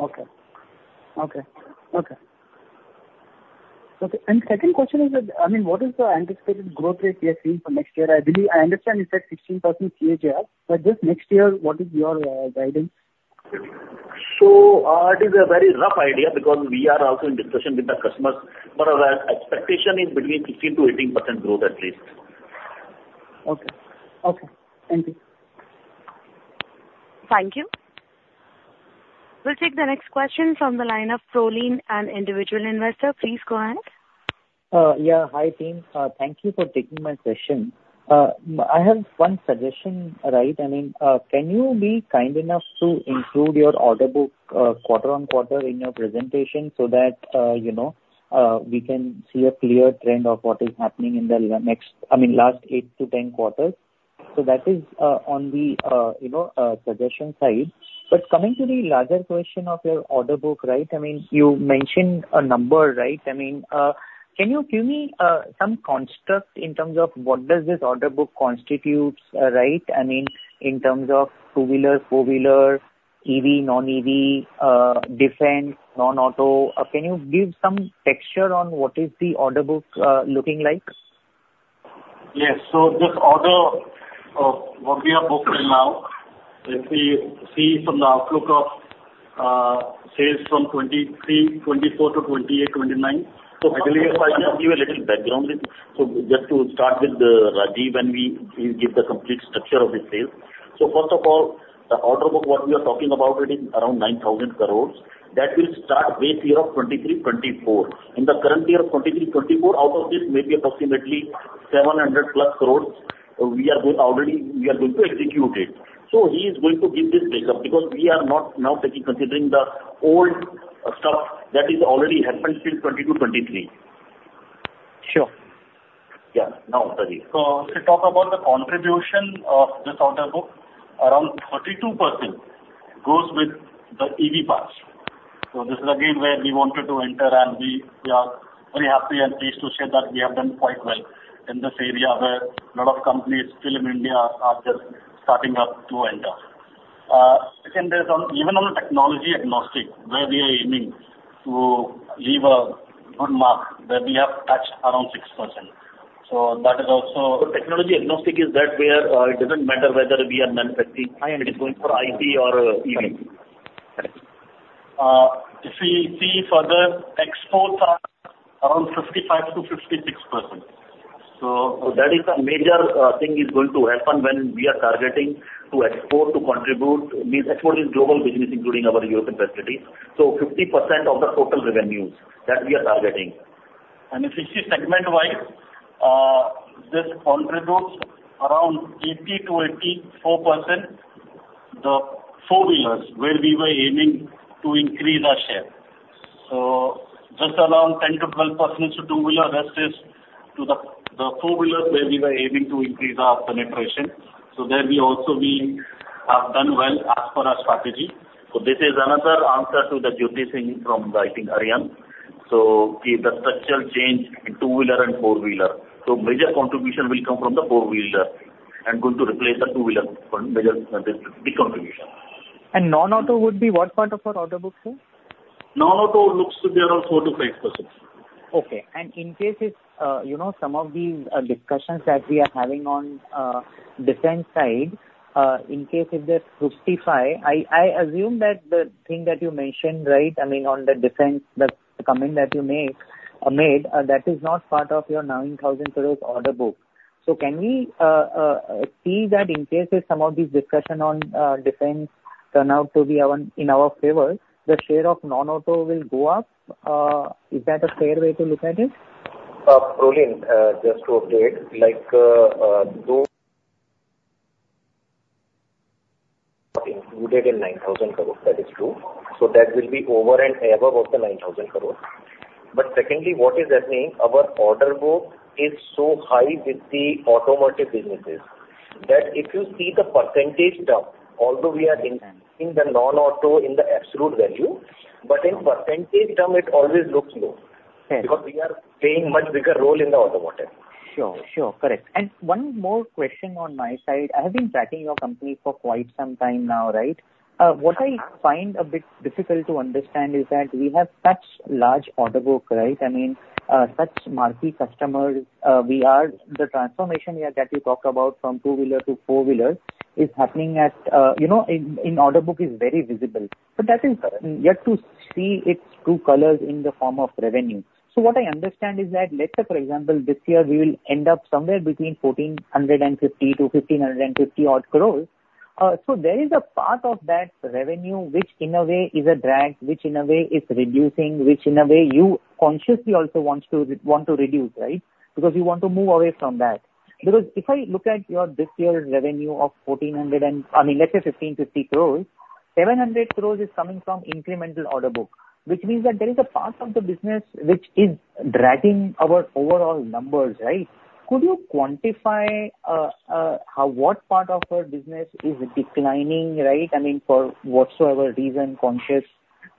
Okay. Second question is that, I mean, what is the anticipated growth rate we are seeing for next year? I understand you said 16% CAGR, but just next year, what is your guidance? So it is a very rough idea because we are also in discussion with the customers. But our expectation is between 15%-18% growth at least. Okay. Okay. Thank you. Thank you. We'll take the next question from the line of Prolin and Individual Investor. Please go ahead. Yeah. Hi, team. Thank you for taking my question. I have one suggestion, right? I mean, can you be kind enough to include your order book quarter-over-quarter in your presentation so that we can see a clear trend of what is happening in the next—I mean, last 8-10 quarters? So that is on the suggestion side. But coming to the larger question of your order book, right? I mean, you mentioned a number, right? I mean, can you give me some construct in terms of what does this order book constitute, right? I mean, in terms of two-wheeler, four-wheeler, EV, non-EV, defense, non-auto. Can you give some texture on what is the order book looking like? Yes. So this order of what we are booked in now, if we see from the outlook of sales from 2023-2024 to 2028-2029. So ideally, if I can give you a little background with so just to start with Rajiv, when we give the complete structure of the sales. So first of all, the order book what we are talking about, it is around 9,000 crores. That will start base year of 2023-2024. In the current year of 2023-2024, out of this, maybe approximately 700+ crores, we are going already, we are going to execute it. So he is going to give this breakup because we are not now taking considering the old stuff that has already happened since 2022-2023. Sure. Yeah. Now, Rajiv. So to talk about the contribution of this order book, around 32% goes with the EV parts. So this is again where we wanted to enter, and we are very happy and pleased to share that we have done quite well in this area where a lot of companies still in India are just starting up to enter. And even on the technology agnostic, where we are aiming to leave a good mark, where we have touched around 6%. So that is also. Technology agnostic is that where it doesn't matter whether we are manufacturing. It is going for ICE or EV. If we see further, exports are around 55%-56%. That is the major thing is going to happen when we are targeting to export, to contribute. Export is global business including our European facilities. 50% of the total revenues that we are targeting. If we see segment-wise, this contributes around 80%-84%, the four-wheelers where we were aiming to increase our share. Just around 10%-12% is to two-wheeler. The rest is to the four-wheelers where we were aiming to increase our penetration. There we also have done well as per our strategy. So this is another answer to Jyoti Singh from Arihant. So the structural change in two-wheeler and four-wheeler. So major contribution will come from the four-wheeler and going to replace the two-wheeler, major big contribution. Non-auto would be what part of our order book, sir? Non-auto looks to be around 4%-5%. Okay. In case if some of these discussions that we are having on defense side, in case if they fructify, I assume that the thing that you mentioned, right? I mean, on the defense comment that you made, that is not part of your 9,000 crore order book. So can we see that in case if some of these discussions on defense turn out to be in our favor, the share of non-auto will go up? Is that a fair way to look at it? Praveen, just to update, do not included in 9,000 crore. That is true. So that will be over and above of the 9,000 crore. But secondly, what is happening, our order book is so high with the automotive businesses that if you see the percentage term, although we are in the non-auto in the absolute value, but in percentage term, it always looks low because we are playing much bigger role in the automotive. Sure. Sure. Correct. One more question on my side. I have been tracking your company for quite some time now, right? What I find a bit difficult to understand is that we have such large order book, right? I mean, such marquee customers. The transformation that you talked about from two-wheeler to four-wheeler is happening at in order book is very visible. That is current. You have to see its true colors in the form of revenue. What I understand is that, let's say, for example, this year, we will end up somewhere between 1,450 crores-1,550-odd crores. There is a part of that revenue which, in a way, is a drag, which, in a way, is reducing, which, in a way, you consciously also want to reduce, right? Because you want to move away from that. Because if I look at your this year's revenue of 1,400 crores and I mean, let's say 1,550 crores, 700 crores is coming from incremental order book, which means that there is a part of the business which is dragging our overall numbers, right? Could you quantify what part of our business is declining, right? I mean, for whatsoever reason, conscious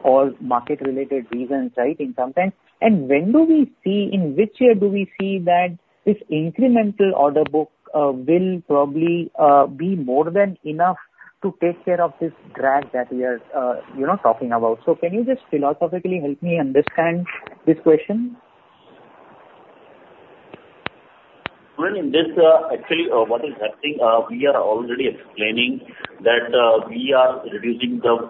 or market-related reasons, right, in some sense? And when do we see in which year do we see that this incremental order book will probably be more than enough to take care of this drag that we are talking about? So can you just philosophically help me understand this question? Well, actually, what is happening, we are already explaining that we are reducing the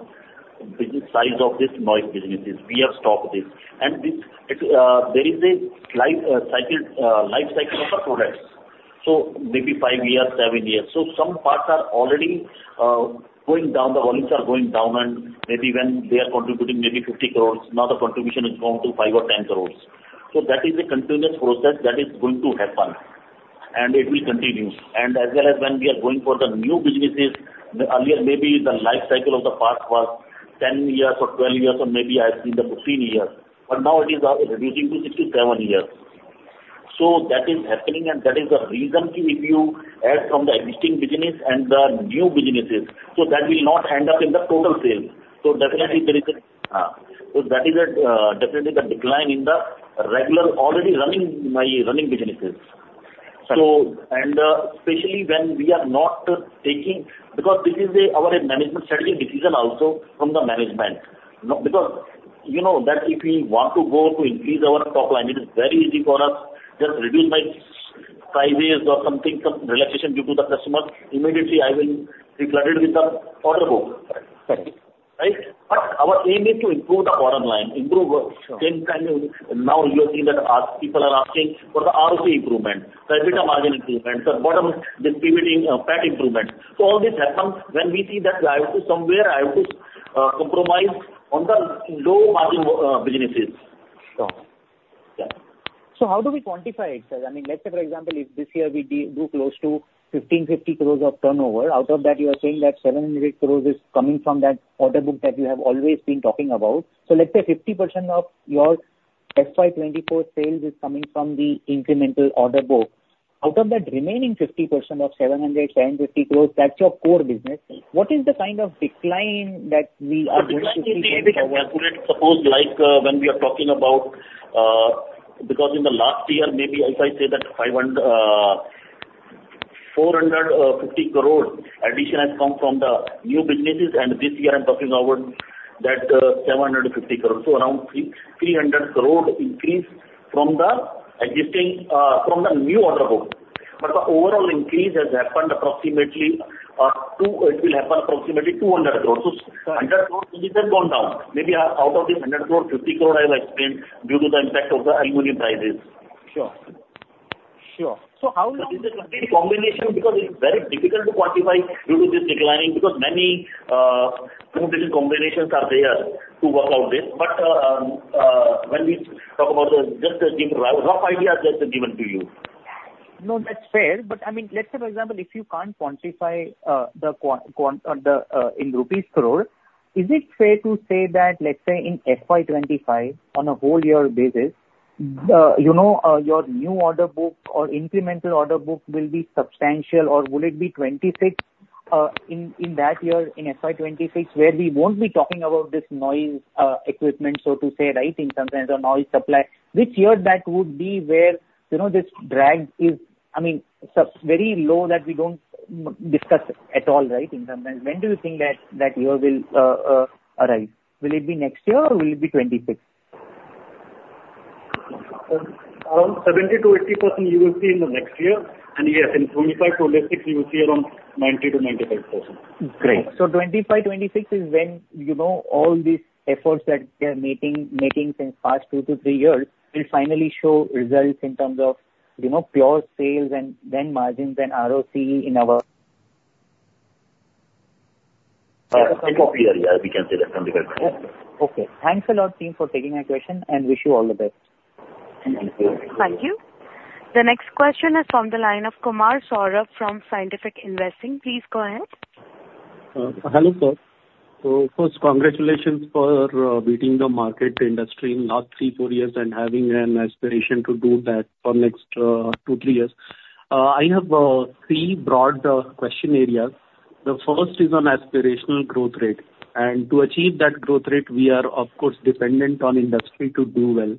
business size of these noise businesses. We have stopped this. And there is a life cycle of our products. So maybe five years, seven years. So some parts are already going down. The volumes are going down. And maybe when they are contributing maybe 50 crores, now the contribution has gone to 5 crores or 10 crores. So that is a continuous process that is going to happen, and it will continue. And as well as when we are going for the new businesses, earlier, maybe the life cycle of the parts was 10 years or 12 years, or maybe I have seen the 15 years. But now it is reducing to 6-7 years. So that is happening, and that is the reason if you add from the existing business and the new businesses, so that will not end up in the total sales. So definitely, there is a so that is definitely the decline in the regular already running businesses. And especially when we are not taking because this is our management strategy decision also from the management. Because that if we want to go to increase our top line, it is very easy for us. Just reduce my sizes or something, some relaxation due to the customer, immediately, I will be flooded with the order book, right? But our aim is to improve the order line, improve 10 times. Now you are seeing that people are asking for the ROC improvement, EBITDA margin improvement, the bottom PAT improvement. All this happens when we see that somewhere, I have to compromise on the low margin businesses. Sure. Yeah. So how do we quantify it, sir? I mean, let's say, for example, if this year, we do close to 1,550 crores of turnover, out of that, you are saying that 700 crores is coming from that order book that you have always been talking about. So let's say 50% of your FY 2024 sales is coming from the incremental order book. Out of that remaining 50% of 700-750 crores, that's your core business. What is the kind of decline that we are going to see? Suppose when we are talking about because in the last year, maybe if I say that 450 crore addition has come from the new businesses, and this year, I'm talking about that 750 crore. So around 300 crore increase from the new order book. But the overall increase has happened approximately it will happen approximately 200 crore. So 100 crore, this has gone down. Maybe out of this 100 crore, 50 crore I have explained due to the impact of the aluminum prices. Sure. Sure. So how long? This is a complete combination because it's very difficult to quantify due to this declining because many combinations are there to work out this. When we talk about just a rough idea that's given to you. No, that's fair. But I mean, let's say, for example, if you can't quantify it in rupees crore, is it fair to say that, let's say, in FY 2025, on a whole year basis, your new order book or incremental order book will be substantial, or will it be 26 in that year, in FY 2026, where we won't be talking about this noise equipment, so to say, right, in some sense, or noise supply? Which year that would be where this drag is, I mean, very low that we don't discuss at all, right, in some sense? When do you think that year will arrive? Will it be next year, or will it be 26? Around 70%-80%, you will see in the next year. And yes, in 2025-26, you will see around 90%-95%. Great. So 2025-2026 is when all these efforts that we are making since past two to three years will finally show results in terms of pure sales and then margins and ROC in our. End of year, yeah, we can say that can be very clear. Okay. Thanks a lot, team, for taking my question, and wish you all the best. Thank you. Thank you. The next question is from the line of Kumar Saurabh from Scientific Investing. Please go ahead. Hello, sir. So first, congratulations for beating the market industry in the last 3, 4 years and having an aspiration to do that for the next 2, 3 years. I have three broad question areas. The first is on aspirational growth rate. And to achieve that growth rate, we are, of course, dependent on industry to do well.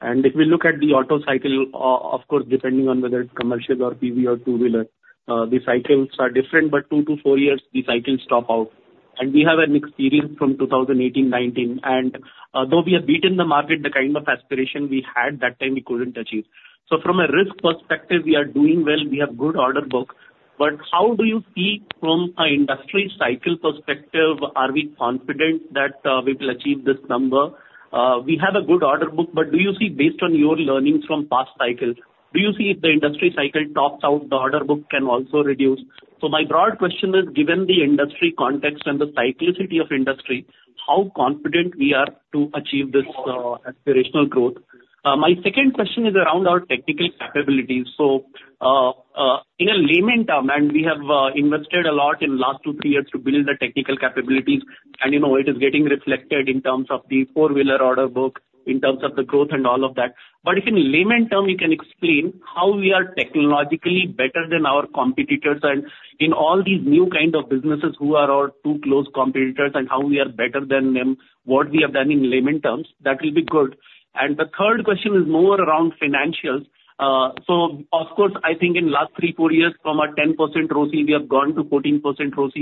And if we look at the auto cycle, of course, depending on whether it's commercial or PV or two-wheeler, the cycles are different. But 2-4 years, the cycles stop out. And we have an experience from 2018, 2019. And though we have beaten the market, the kind of aspiration we had that time, we couldn't achieve. So from a risk perspective, we are doing well. We have good order book. But how do you see from an industry cycle perspective, are we confident that we will achieve this number? We have a good order book, but do you see, based on your learnings from past cycles, do you see if the industry cycle tops out, the order book can also reduce? So my broad question is, given the industry context and the cyclicity of industry, how confident we are to achieve this aspirational growth? My second question is around our technical capabilities. So in a layman's term, and we have invested a lot in the last two, three years to build the technical capabilities, and it is getting reflected in terms of the four-wheeler order book, in terms of the growth and all of that. But if in layman's terms, you can explain how we are technologically better than our competitors and in all these new kind of businesses who are our two close competitors and how we are better than them, what we have done in layman's terms, that will be good. The third question is more around financials. So of course, I think in the last 3, 4 years, from a 10% ROC, we have gone to 14% ROC.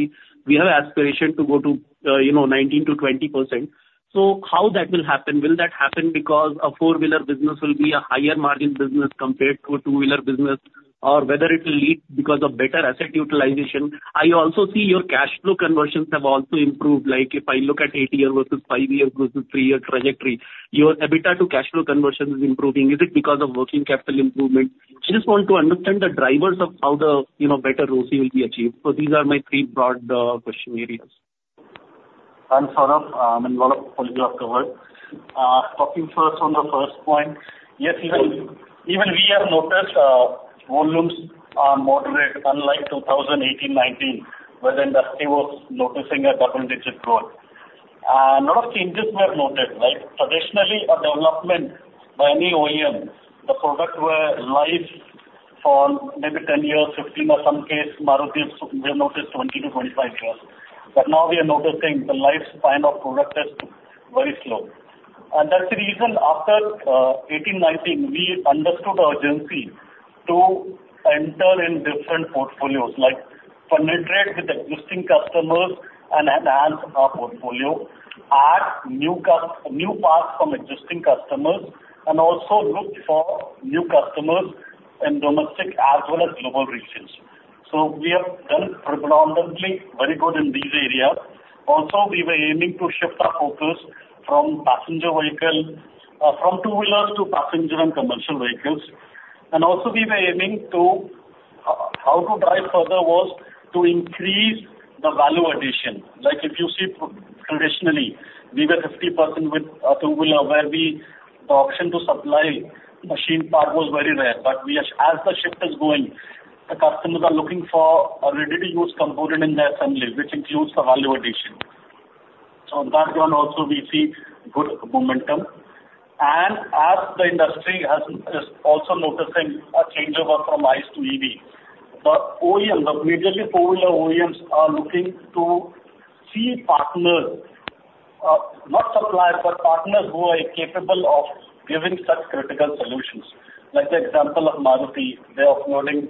We have an aspiration to go to 19%-20%. So how that will happen? Will that happen because a four-wheeler business will be a higher margin business compared to a two-wheeler business, or whether it will lead because of better asset utilization? I also see your cash flow conversions have also improved. If I look at 80 years versus five years versus 3-year trajectory, your EBITDA to cash flow conversion is improving. Is it because of working capital improvement? I just want to understand the drivers of how the better ROC will be achieved. So these are my three broad question areas. Thanks, Saurabh. I'm involved in all of your work. Talking first on the first point, yes, even we have noticed volumes are moderate, unlike 2018, 2019, where the industry was noticing a double-digit growth. A lot of changes were noted. Traditionally, a development by any OEM, the product were live for maybe 10 years, 15, or some case, Maruti's, we have noticed 20-25 years. But now we are noticing the lifespan of product is very slow. And that's the reason, after 2018, 2019, we understood the urgency to enter in different portfolios, penetrate with existing customers and enhance our portfolio, add new parts from existing customers, and also look for new customers in domestic as well as global regions. So we have done predominantly very good in these areas. Also, we were aiming to shift our focus from two-wheelers to passenger and commercial vehicles. And also, we were aiming to how to drive further was to increase the value addition. If you see, traditionally, we were 50% with a two-wheeler where the option to supply machined part was very rare. But as the shift is going, the customers are looking for a ready-to-use component in their assembly, which includes the value addition. So on that ground, also, we see good momentum. And as the industry is also noticing a changeover from ICE to EV, the OEMs, the majority four-wheeler OEMs, are looking to see partners, not suppliers, but partners who are capable of giving such critical solutions. Like the example of Maruti, they are offloading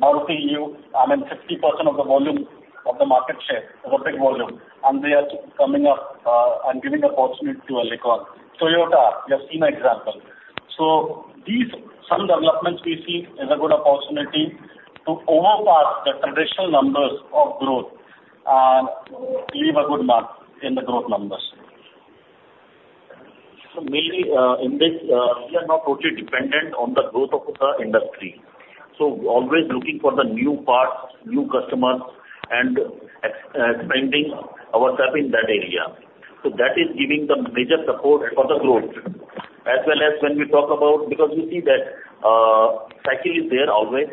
Maruti UV, I mean, 50% of the volume of the market share is a big volume, and they are coming up and giving opportunity to Alicon, Toyota. You have seen the example. So some developments we see is a good opportunity to overpass the traditional numbers of growth and leave a good mark in the growth numbers. Mainly, in this, we are not totally dependent on the growth of the industry. So always looking for the new parts, new customers, and expanding ourselves in that area. So that is giving the major support for the growth. As well as when we talk about because we see that cycle is there always.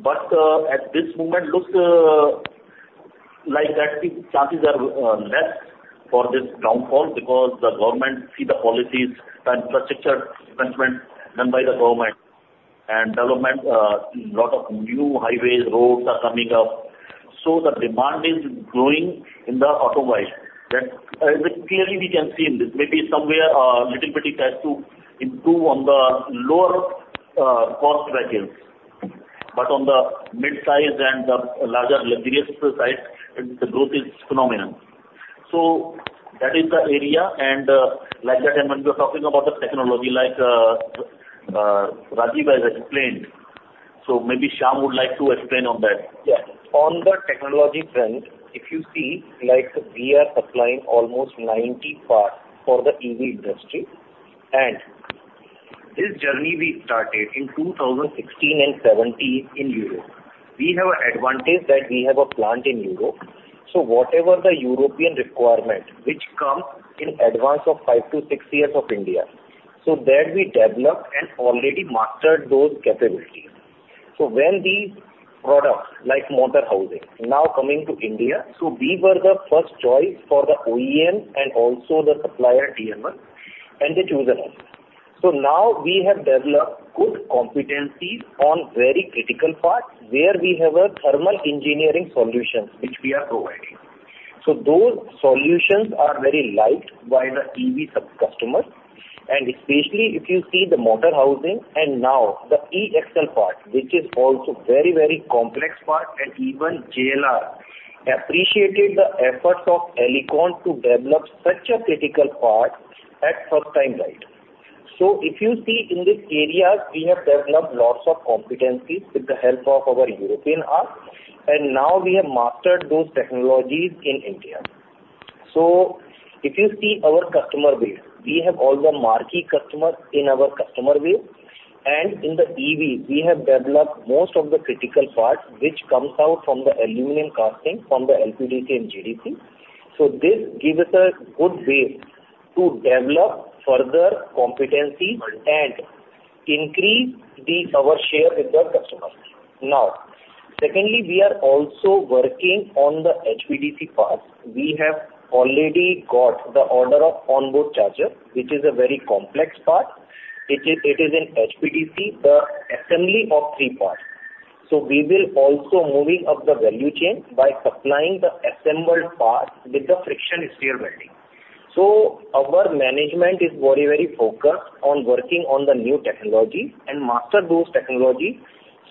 But at this moment, looks like that chances are less for this downfall because the government sees the policies and infrastructure investments done by the government and development. A lot of new highways, roads are coming up. So the demand is growing in the auto world. Clearly, we can see in this. Maybe somewhere, a little bit it has to improve on the lower-cost vehicles. But on the mid-size and the larger luxurious side, the growth is phenomenal. So that is the area. And like that, and when we are talking about the technology, like Rajiv has explained, so maybe Shyam would like to explain on that. Yeah. On the technology trend, if you see, we are supplying almost 90 parts for the EV industry. And this journey we started in 2016 and 2017 in Europe. We have an advantage that we have a plant in Europe. So whatever the European requirement, which comes in advance of 5-6 years of India, so that we developed and already mastered those capabilities. So when these products like motor housing now coming to India, so we were the first choice for the OEM and also the supplier, Daimler, and they choose us. So now we have developed good competencies on very critical parts where we have thermal engineering solutions, which we are providing. So those solutions are very liked by the EV customers. And especially if you see the motor housing and now the E-Axle part, which is also a very, very complex part, and even JLR appreciated the efforts of Alicon to develop such a critical part at first time, right? So if you see, in these areas, we have developed lots of competencies with the help of our European arm. And now we have mastered those technologies in India. So if you see our customer base, we have all the marquee customers in our customer base. And in the EVs, we have developed most of the critical parts, which comes out from the aluminum casting from the LPDC and GDC. So this gives us a good base to develop further competencies and increase our share with the customers. Now, secondly, we are also working on the HPDC part. We have already got the order of On-Board Charger, which is a very complex part. It is in HPDC, the assembly of three parts. So we will also move up the value chain by supplying the assembled part with the friction stir welding. So our management is very, very focused on working on the new technology and master those technologies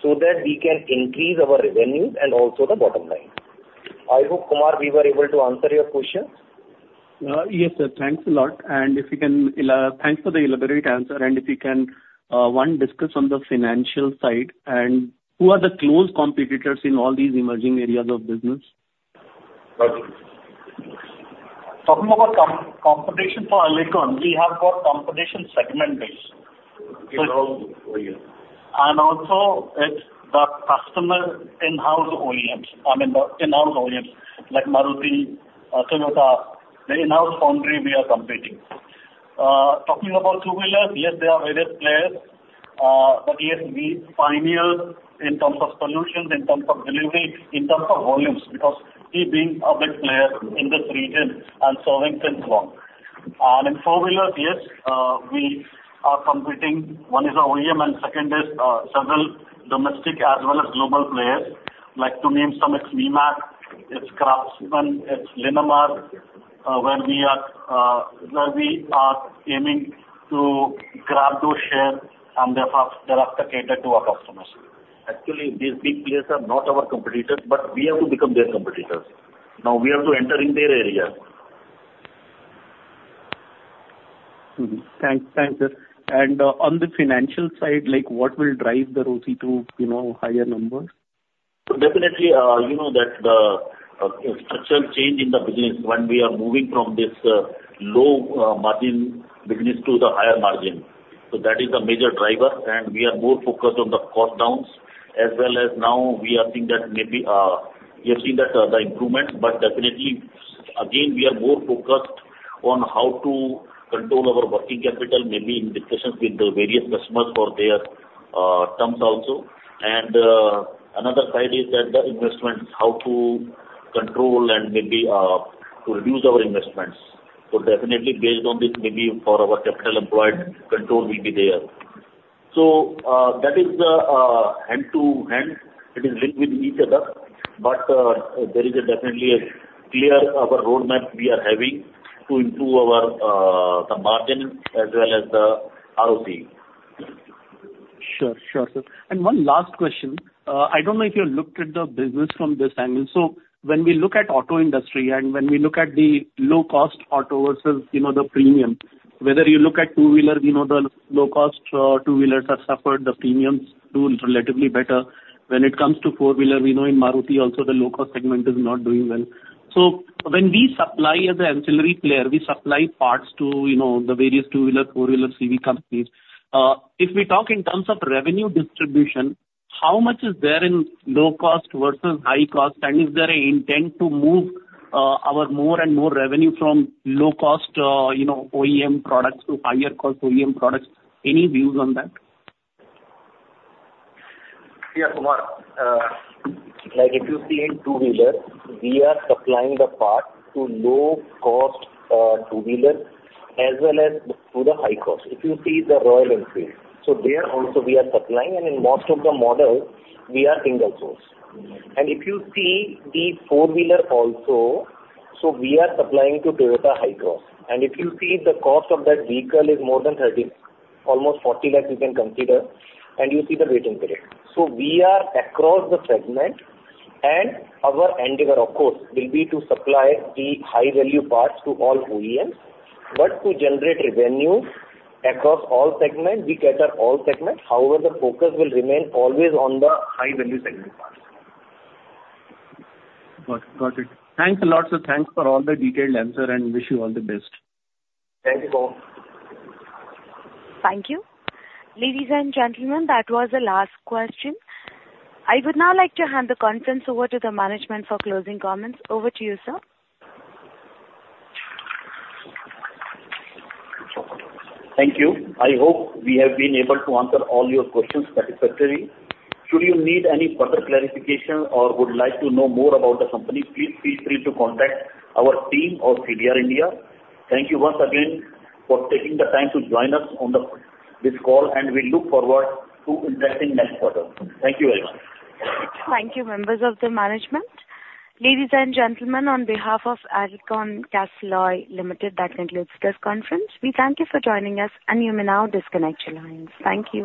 so that we can increase our revenues and also the bottom line. I hope, Kumar, we were able to answer your question. Yes, sir. Thanks a lot. If you can, thanks for the elaborate answer. If you can, one, discuss on the financial side and who are the close competitors in all these emerging areas of business? Talking about competition for Alicon, we have got competition segment-based. Also, it's the customer in-house OEMs. I mean, the in-house OEMs like Maruti, Toyota, the in-house foundry we are competing. Talking about two-wheelers, yes, they are various players. But yes, we pioneered in terms of solutions, in terms of delivery, in terms of volumes because we being a big player in this region and serving since long. In four-wheelers, yes, we are competing. One is our OEM, and second is several domestic as well as global players. To name some, it's Nemak, it's Craftsman, it's Linamar, where we are aiming to grab those shares, and thereafter, cater to our customers. Actually, these big players are not our competitors, but we have to become their competitors. Now, we have to enter in their area. Thanks, sir. On the financial side, what will drive the ROC to higher numbers? So definitely, you know that the structural change in the business when we are moving from this low-margin business to the higher margin. So that is the major driver. And we are more focused on the cost downs as well as now, we are seeing that maybe you have seen that the improvements. But definitely, again, we are more focused on how to control our working capital, maybe in discussions with the various customers for their terms also. And another side is that the investments, how to control and maybe to reduce our investments. So definitely, based on this, maybe for our capital employed, control will be there. So that is hand to hand. It is linked with each other. But there is definitely a clear roadmap we are having to improve the margin as well as the ROC. Sure, sure, sir. And one last question. I don't know if you have looked at the business from this angle. So when we look at auto industry and when we look at the low-cost auto versus the premium, whether you look at two-wheeler, the low-cost two-wheelers have suffered the premiums do relatively better. When it comes to four-wheeler, in Maruti, also, the low-cost segment is not doing well. So when we supply as an ancillary player, we supply parts to the various two-wheeler, four-wheeler CV companies. If we talk in terms of revenue distribution, how much is there in low-cost versus high-cost? And is there an intent to move our more and more revenue from low-cost OEM products to higher-cost OEM products? Any views on that? Yeah, Kumar. If you see in two-wheelers, we are supplying the parts to low-cost two-wheelers as well as to the high-cost. If you see the Royal Enfield. So there also, we are supplying. And in most of the models, we are single-source. And if you see the four-wheeler also, so we are supplying to Toyota Hycross. And if you see the cost of that vehicle is more than 30 lakhs, almost 40 lakhs, you can consider. And you see the waiting period. So we are across the segment. And our endeavor, of course, will be to supply the high-value parts to all OEMs. But to generate revenue across all segments, we cater all segments. However, the focus will remain always on the high-value segment parts. Got it. Thanks a lot, sir. Thanks for all the detailed answer, and wish you all the best. Thank you so much. Thank you. Ladies and gentlemen, that was the last question. I would now like to hand the conference over to the management for closing comments. Over to you, sir. Thank you. I hope we have been able to answer all your questions satisfactorily. Should you need any further clarification or would like to know more about the company, please feel free to contact our team or CDR India. Thank you once again for taking the time to join us on this call, and we look forward to interacting next quarter. Thank you very much. Thank you, members of the management. Ladies and gentlemen, on behalf of Alicon Castalloy Limited, that concludes this conference. We thank you for joining us, and you may now disconnect your lines. Thank you.